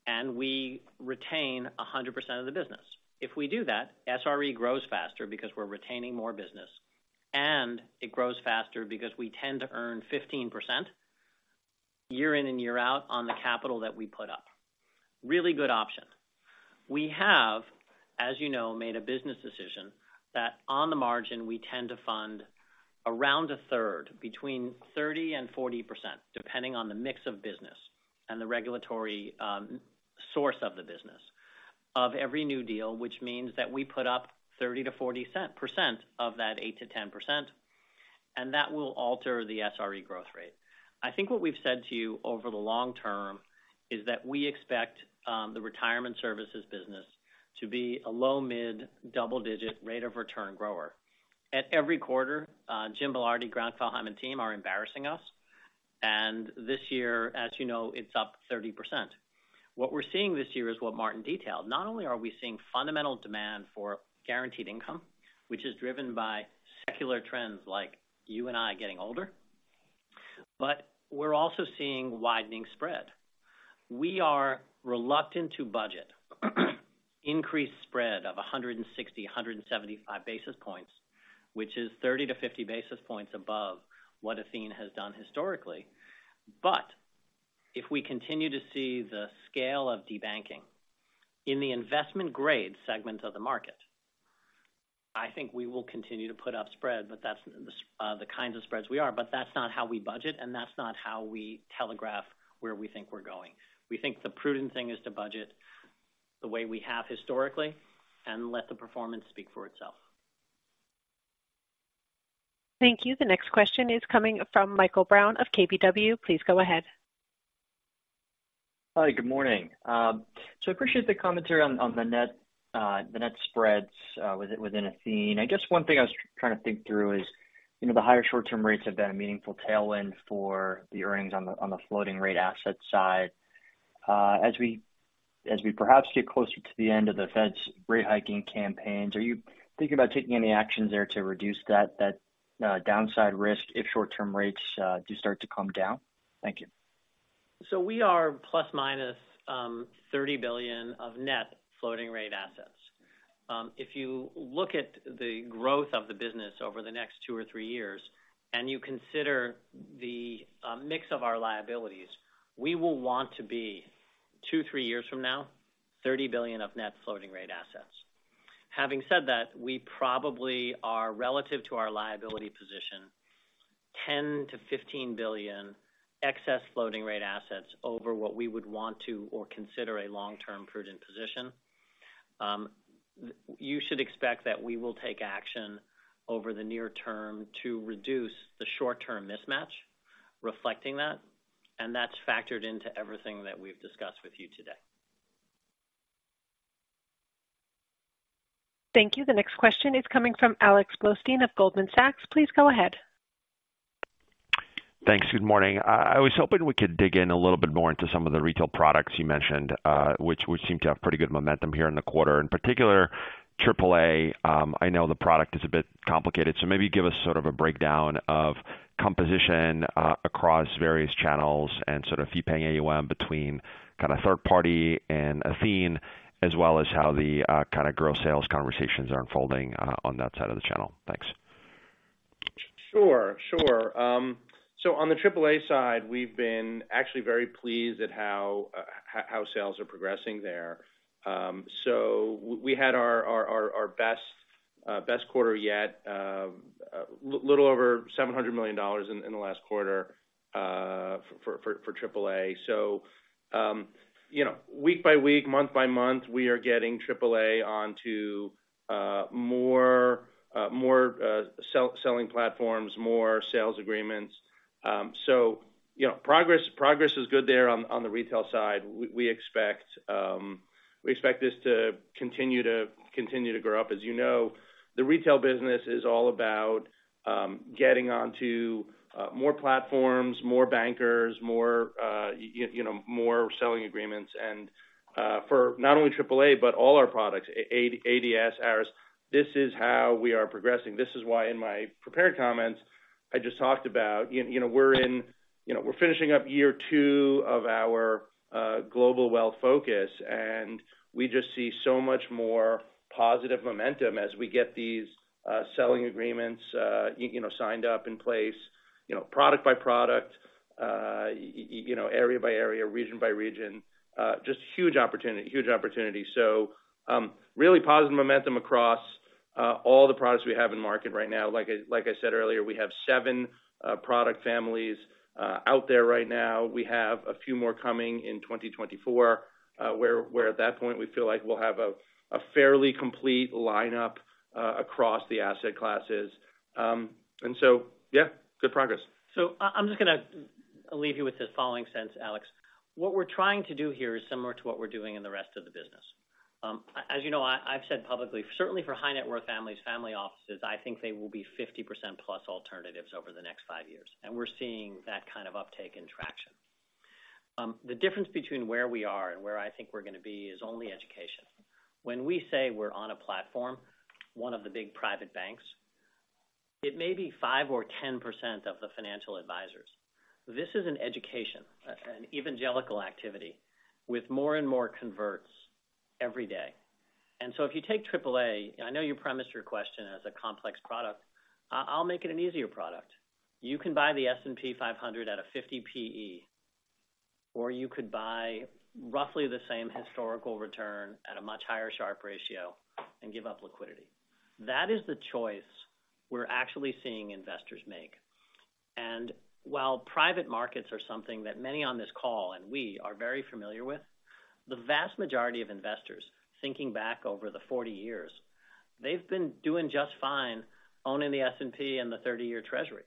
and we retain 100% of the business. If we do that, SRE grows faster because we're retaining more business, and it grows faster because we tend to earn 15% year in and year out on the capital that we put up. Really good option. We have, as you know, made a business decision that on the margin, we tend to fund around a third, between 30% and 40%, depending on the mix of business and the regulatory source of the business, of every new deal, which means that we put up 30%-40% of that 8%-10%, and that will alter the SRE growth rate. I think what we've said to you over the long term is that we expect the retirement services business to be a low, mid, double-digit rate of return grower. At every quarter, Jim Belardi, Grant Kvalheim, and team are embarrassing us, and this year, as you know, it's up 30%. What we're seeing this year is what Martin detailed. Not only are we seeing fundamental demand for guaranteed income, which is driven by secular trends like you and I getting older, but we're also seeing widening spread. We are reluctant to budget increased spread of 160, 175 basis points, which is 30 to 50 basis points above what Athene has done historically. But if we continue to see the scale of debanking in the investment grade segment of the market, I think we will continue to put up spread, but that's, the kinds of spreads we are, but that's not how we budget, and that's not how we telegraph where we think we're going. We think the prudent thing is to budget the way we have historically and let the performance speak for itself. Thank you. The next question is coming from Michael Brown of KBW. Please go ahead. Hi, good morning. So I appreciate the commentary on the net spreads within Athene. I guess one thing I was trying to think through is, you know, the higher short-term rates have been a meaningful tailwind for the earnings on the floating rate asset side. As we perhaps get closer to the end of the Fed's rate hiking campaigns, are you thinking about taking any actions there to reduce that downside risk if short-term rates do start to come down? Thank you. So we are ± $30 billion of net floating rate assets. If you look at the growth of the business over the next two or three years, and you consider the mix of our liabilities, we will want to be, two or three years from now, $30 billion of net floating rate assets. Having said that, we probably are, relative to our liability position, $10-$15 billion excess floating rate assets over what we would want to or consider a long-term prudent position. You should expect that we will take action over the near term to reduce the short-term mismatch, reflecting that, and that's factored into everything that we've discussed with you today. Thank you. The next question is coming from Alex Blostein of Goldman Sachs. Please go ahead. Thanks. Good morning. I was hoping we could dig in a little bit more into some of the retail products you mentioned, which seem to have pretty good momentum here in the quarter. In particular, AAA, I know the product is a bit complicated, so maybe give us sort of a breakdown of composition, across various channels and sort of fee paying AUM between kinda third-party and Athene, as well as how the kind of growth sales conversations are unfolding, on that side of the channel. Thanks. Sure, sure. So on the AAA side, we've been actually very pleased at how sales are progressing there. So we had our best quarter yet, a little over $700 million in the last quarter for AAA. So, you know, week by week, month by month, we are getting AAA onto more selling platforms, more sales agreements. So, you know, progress is good there on the retail side. We expect this to continue to grow up. As you know, the retail business is all about getting onto more platforms, more bankers, more selling agreements, and for not only Triple A, but all our products, ADS, ARIS. This is how we are progressing. This is why, in my prepared comments, I just talked about you know, we're in, you know, we're finishing up year two of our Global Wealth focus, and we just see so much more positive momentum as we get these selling agreements you know signed up in place, you know, product by product, you know, area by area, region by region. Just huge opportunity, huge opportunity. So, really positive momentum across all the products we have in the market right now. Like I said earlier, we have seven product families out there right now. We have a few more coming in 2024, where at that point, we feel like we'll have a fairly complete lineup across the asset classes. And so, yeah, good progress. So I, I'm just gonna leave you with the following sense, Alex. What we're trying to do here is similar to what we're doing in the rest of the business. As you know, I, I've said publicly, certainly for high net worth families, family offices, I think they will be 50%+ alternatives over the next five years, and we're seeing that kind of uptake and traction. The difference between where we are and where I think we're gonna be, is only education. When we say we're on a platform, one of the big private banks, it may be 5% or 10% of the financial advisors. This is an education, an evangelical activity, with more and more converts every day. And so if you take Triple A, I know you premised your question as a complex product. I'll make it an easier product. You can buy the S&P 500 at a 50 PE, or you could buy roughly the same historical return at a much higher Sharpe Ratio and give up liquidity. That is the choice we're actually seeing investors make. While private markets are something that many on this call, and we are very familiar with, the vast majority of investors thinking back over the 40 years, they've been doing just fine owning the S&P and the 30-year treasury.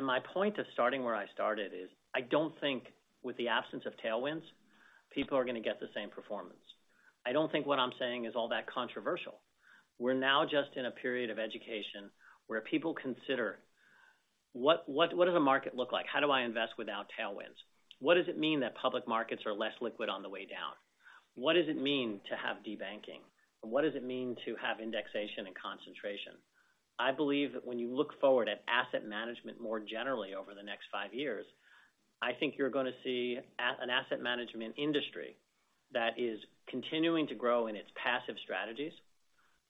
My point of starting where I started is, I don't think with the absence of tailwinds, people are gonna get the same performance. I don't think what I'm saying is all that controversial. We're now just in a period of education where people consider: what, what, what does a market look like? How do I invest without tailwinds? What does it mean that public markets are less liquid on the way down? What does it mean to have debanking? What does it mean to have indexation and concentration? I believe that when you look forward at asset management, more generally, over the next five years, I think you're gonna see an asset management industry that is continuing to grow in its passive strategies.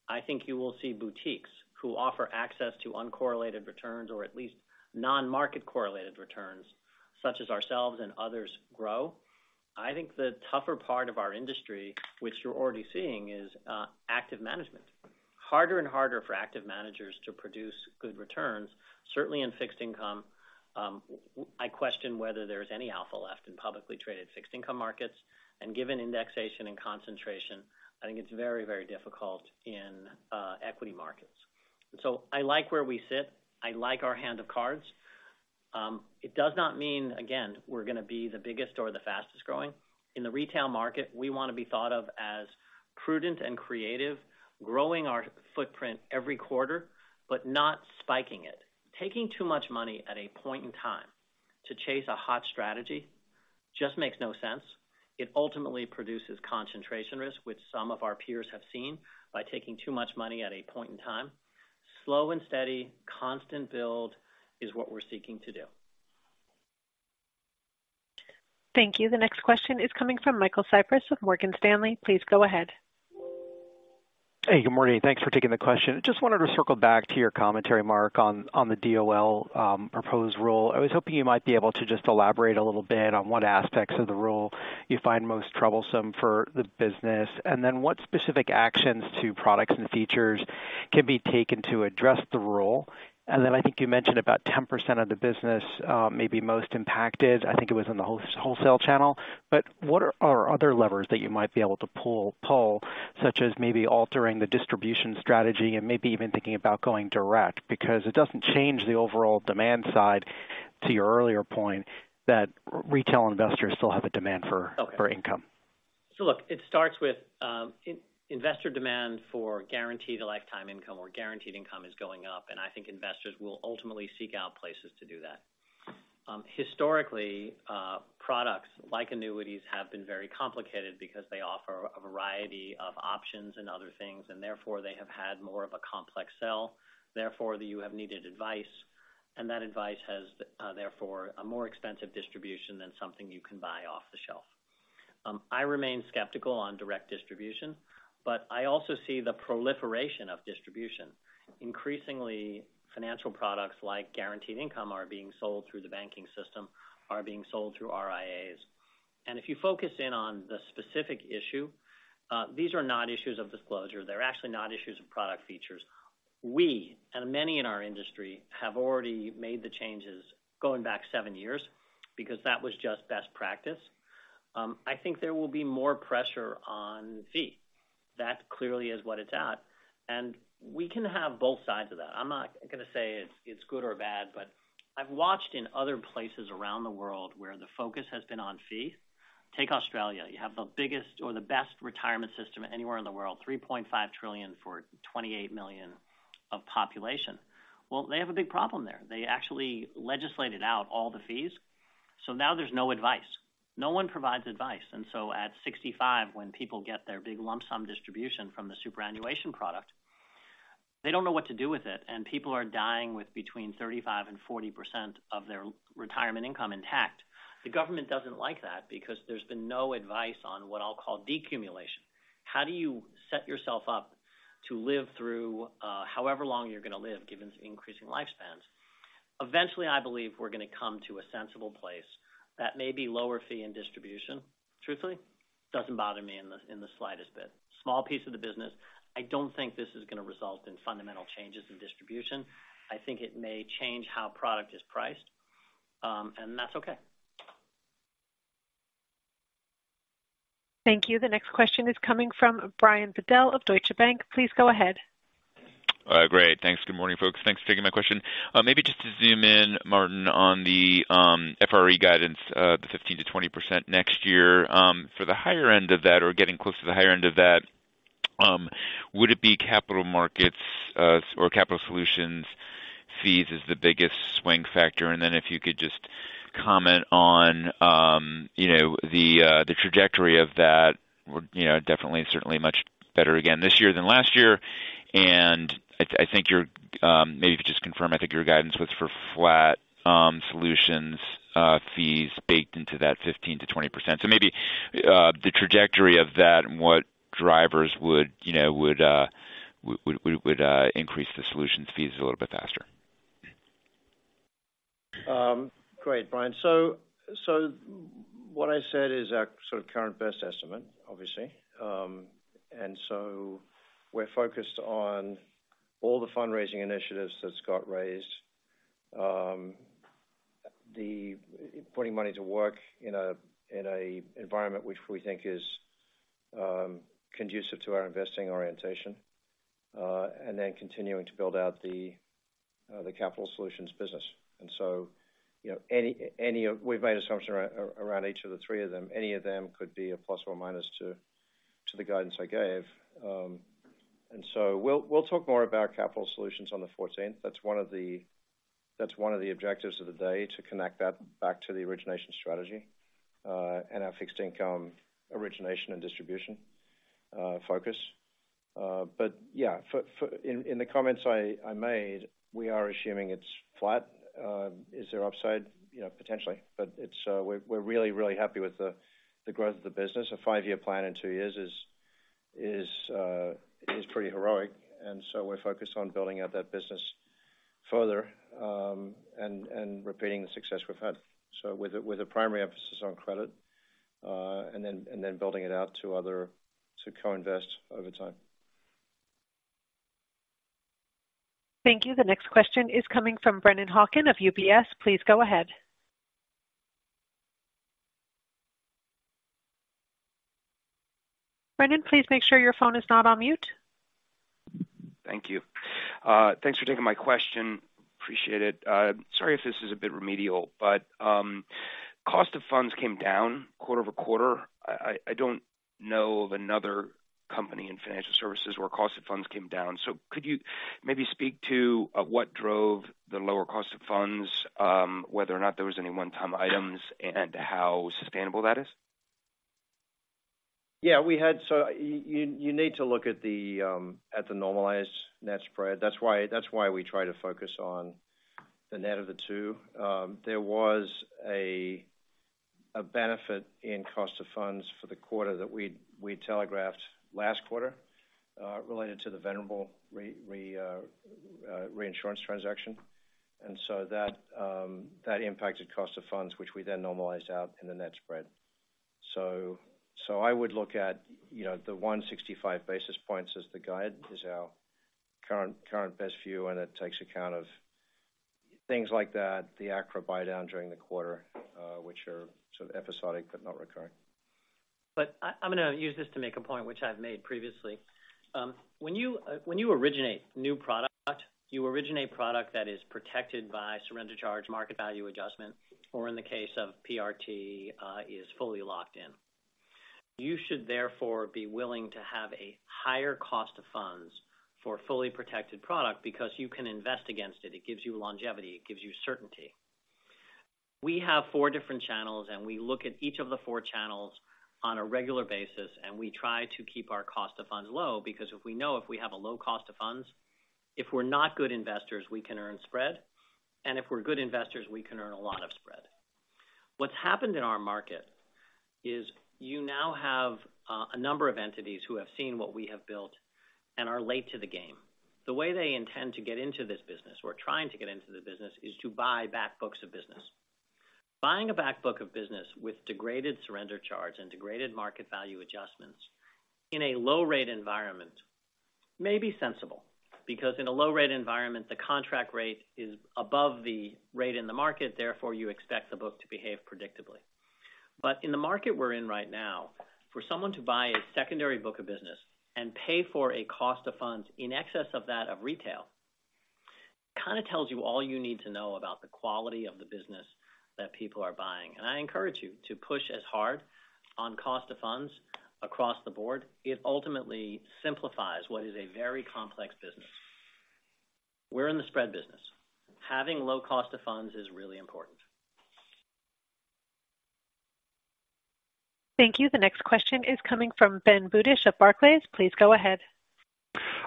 I think you will see boutiques who offer access to uncorrelated returns, or at least non-market correlated returns, such as ourselves and others, grow. I think the tougher part of our industry, which you're already seeing, is active management. Harder and harder for active managers to produce good returns, certainly in fixed income. I question whether there's any alpha left in publicly traded fixed income markets, and given indexation and concentration, I think it's very, very difficult in equity markets. So I like where we sit. I like our hand of cards. It does not mean, again, we're gonna be the biggest or the fastest growing. In the retail market, we want to be thought of as prudent and creative, growing our footprint every quarter, but not spiking it. Taking too much money at a point in time to chase a hot strategy, just makes no sense. It ultimately produces concentration risk, which some of our peers have seen by taking too much money at a point in time. Slow and steady, constant build is what we're seeking to do. Thank you. The next question is coming from Michael Cyprys with Morgan Stanley. Please go ahead. Hey, good morning. Thanks for taking the question. Just wanted to circle back to your commentary, Marc, on the DOL proposed rule. I was hoping you might be able to just elaborate a little bit on what aspects of the rule you find most troublesome for the business. And then what specific actions to products and features can be taken to address the rule? And then I think you mentioned about 10% of the business may be most impacted. I think it was in the wholesale channel. But what are our other levers that you might be able to pull, such as maybe altering the distribution strategy and maybe even thinking about going direct? Because it doesn't change the overall demand side, to your earlier point, that retail investors still have a demand for- Okay... for income. So look, it starts with investor demand for guaranteed lifetime income or guaranteed income is going up, and I think investors will ultimately seek out places to do that. Historically, products like annuities have been very complicated because they offer a variety of options and other things, and therefore, they have had more of a complex sell. Therefore, you have needed advice, and that advice has therefore a more expensive distribution than something you can buy off the shelf. I remain skeptical on direct distribution, but I also see the proliferation of distribution. Increasingly, financial products like guaranteed income are being sold through the banking system, are being sold through RIAs. And if you focus in on the specific issue, these are not issues of disclosure, they're actually not issues of product features. We, and many in our industry, have already made the changes going back seven years because that was just best practice. I think there will be more pressure on fees that clearly is what it's at, and we can have both sides of that. I'm not gonna say it's, it's good or bad, but I've watched in other places around the world where the focus has been on fees. Take Australia, you have the biggest or the best retirement system anywhere in the world, 3.5 trillion for 28 million of population. Well, they have a big problem there. They actually legislated out all the fees, so now there's no advice. No one provides advice, and so at 65, when people get their big lump sum distribution from the superannuation product, they don't know what to do with it, and people are dying with between 35%-40% of their retirement income intact. The government doesn't like that because there's been no advice on what I'll call decumulation. How do you set yourself up to live through however long you're gonna live, given the increasing lifespans? Eventually, I believe we're gonna come to a sensible place that may be lower fee and distribution. Truthfully, doesn't bother me in the slightest bit. Small piece of the business. I don't think this is gonna result in fundamental changes in distribution. I think it may change how product is priced, and that's okay. Thank you. The next question is coming from Brian Bedell of Deutsche Bank. Please go ahead. Great. Thanks. Good morning, folks. Thanks for taking my question. Maybe just to zoom in, Martin, on the FRE guidance, the 15%-20% next year. For the higher end of that or getting close to the higher end of that, would it be capital markets or Capital Solutions fees is the biggest swing factor? And then if you could just comment on, you know, the trajectory of that, would, you know, definitely, certainly much better again this year than last year. And I think your, maybe if you just confirm, I think your guidance was for flat solutions fees baked into that 15%-20%. So maybe the trajectory of that and what drivers would, you know, would increase the solutions fees a little bit faster. Great, Brian. So what I said is our sort of current best estimate, obviously. And so we're focused on all the fundraising initiatives that Scott raised. The putting money to work in an environment which we think is conducive to our investing orientation, and then continuing to build out the Capital Solutions business. And so, you know, any of—we've made assumptions around each of the three of them. Any of them could be a plus or minus to the guidance I gave. And so we'll talk more about Capital Solutions on the fourteenth. That's one of the objectives of the day, to connect that back to the origination strategy, and our fixed income origination and distribution focus. But yeah, for... In the comments I made, we are assuming it's flat. Is there upside? You know, potentially, but it's, we're really happy with the growth of the business. A five-year plan in two years is pretty heroic, and so we're focused on building out that business further, and repeating the success we've had. So with a primary emphasis on credit, and then building it out to other co-invest over time. Thank you. The next question is coming from Brennan Hawken of UBS. Please go ahead. Brendan, please make sure your phone is not on mute. Thank you. Thanks for taking my question, appreciate it. Sorry if this is a bit remedial, but cost of funds came down quarter-over-quarter. I don't know of another company in financial services where cost of funds came down. So could you maybe speak to what drove the lower cost of funds, whether or not there was any one-time items, and how sustainable that is? Yeah, you need to look at the normalized net spread. That's why, that's why we try to focus on the net of the two. There was a benefit in cost of funds for the quarter that we telegraphed last quarter related to the Venerable reinsurance transaction. And so that impacted cost of funds, which we then normalized out in the net spread. So I would look at, you know, the 165 basis points as the guide is our current best view, and it takes account of things like that, the ACRA buy down during the quarter, which are sort of episodic but not recurring. But I, I'm gonna use this to make a point which I've made previously. When you originate new product, you originate product that is protected by surrender charge, market value adjustment, or in the case of PRT, is fully locked in. You should therefore be willing to have a higher cost of funds for a fully protected product because you can invest against it. It gives you longevity, it gives you certainty. We have four different channels, and we look at each of the four channels on a regular basis, and we try to keep our cost of funds low because if we have a low cost of funds, if we're not good investors, we can earn spread, and if we're good investors, we can earn a lot of spread. What's happened in our market is you now have a number of entities who have seen what we have built and are late to the game. The way they intend to get into this business or trying to get into the business is to buy back books of business. Buying back a book of business with degraded Surrender Charge and degraded Market Value Adjustments in a low-rate environment-... may be sensible, because in a low rate environment, the contract rate is above the rate in the market, therefore, you expect the book to behave predictably. In the market we're in right now, for someone to buy a secondary book of business and pay for a cost of funds in excess of that of retail, kind of tells you all you need to know about the quality of the business that people are buying. I encourage you to push as hard on cost of funds across the board. It ultimately simplifies what is a very complex business. We're in the spread business. Having low cost of funds is really important. Thank you. The next question is coming from Ben Budish of Barclays. Please go ahead.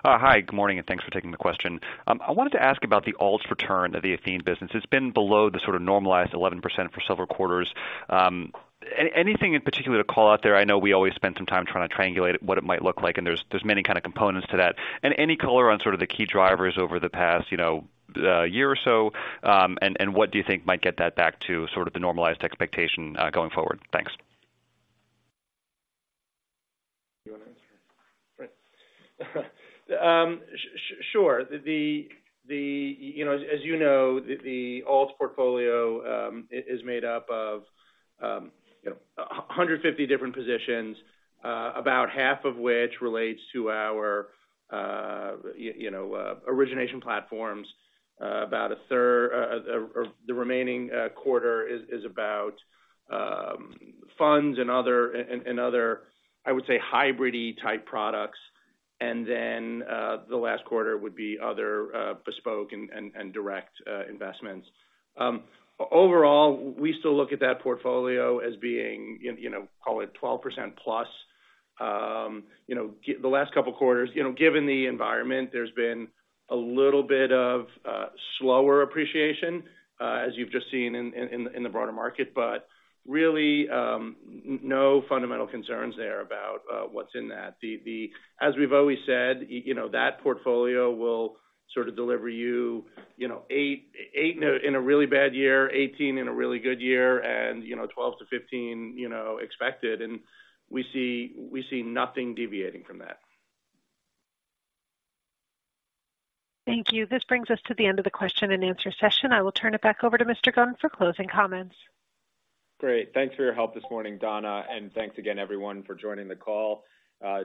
Hi, good morning, and thanks for taking the question. I wanted to ask about the alts return of the Athene business. It's been below the sort of normalized 11% for several quarters. Anything in particular to call out there? I know we always spend some time trying to triangulate what it might look like, and there's, there's many kind of components to that. And any color on sort of the key drivers over the past, you know, year or so, and what do you think might get that back to sort of the normalized expectation, going forward? Thanks. You want to answer? Great. Sure. You know, as you know, the alts portfolio is made up of, you know, 150 different positions, about half of which relates to our, you know, origination platforms. About a third, the remaining quarter is about funds and other, and other, I would say, hybrid-y type products. And then, the last quarter would be other bespoke and, and direct investments. Overall, we still look at that portfolio as being, you know, call it 12%+. You know, g... The last couple of quarters, you know, given the environment, there's been a little bit of slower appreciation, as you've just seen in the broader market, but really, no fundamental concerns there about what's in that. The—as we've always said, you know, that portfolio will sort of deliver you, you know, eight, eight in a really bad year, 18 in a really good year, and, you know, 12-15, you know, expected. And we see nothing deviating from that. Thank you. This brings us to the end of the question-and-answer session. I will turn it back over to Mr. Gunn for closing comments. Great. Thanks for your help this morning, Donna, and thanks again, everyone, for joining the call.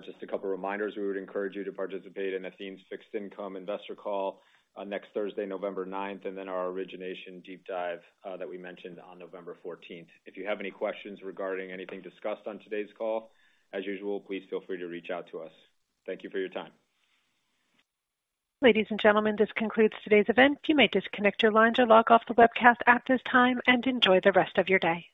Just a couple of reminders. We would encourage you to participate in Athene's Fixed Income Investor Call next Thursday, November ninth, and then our Origination Deep Dive, that we mentioned on November fourteenth. If you have any questions regarding anything discussed on today's call, as usual, please feel free to reach out to us. Thank you for your time. Ladies and gentlemen, this concludes today's event. You may disconnect your lines or log off the webcast at this time, and enjoy the rest of your day.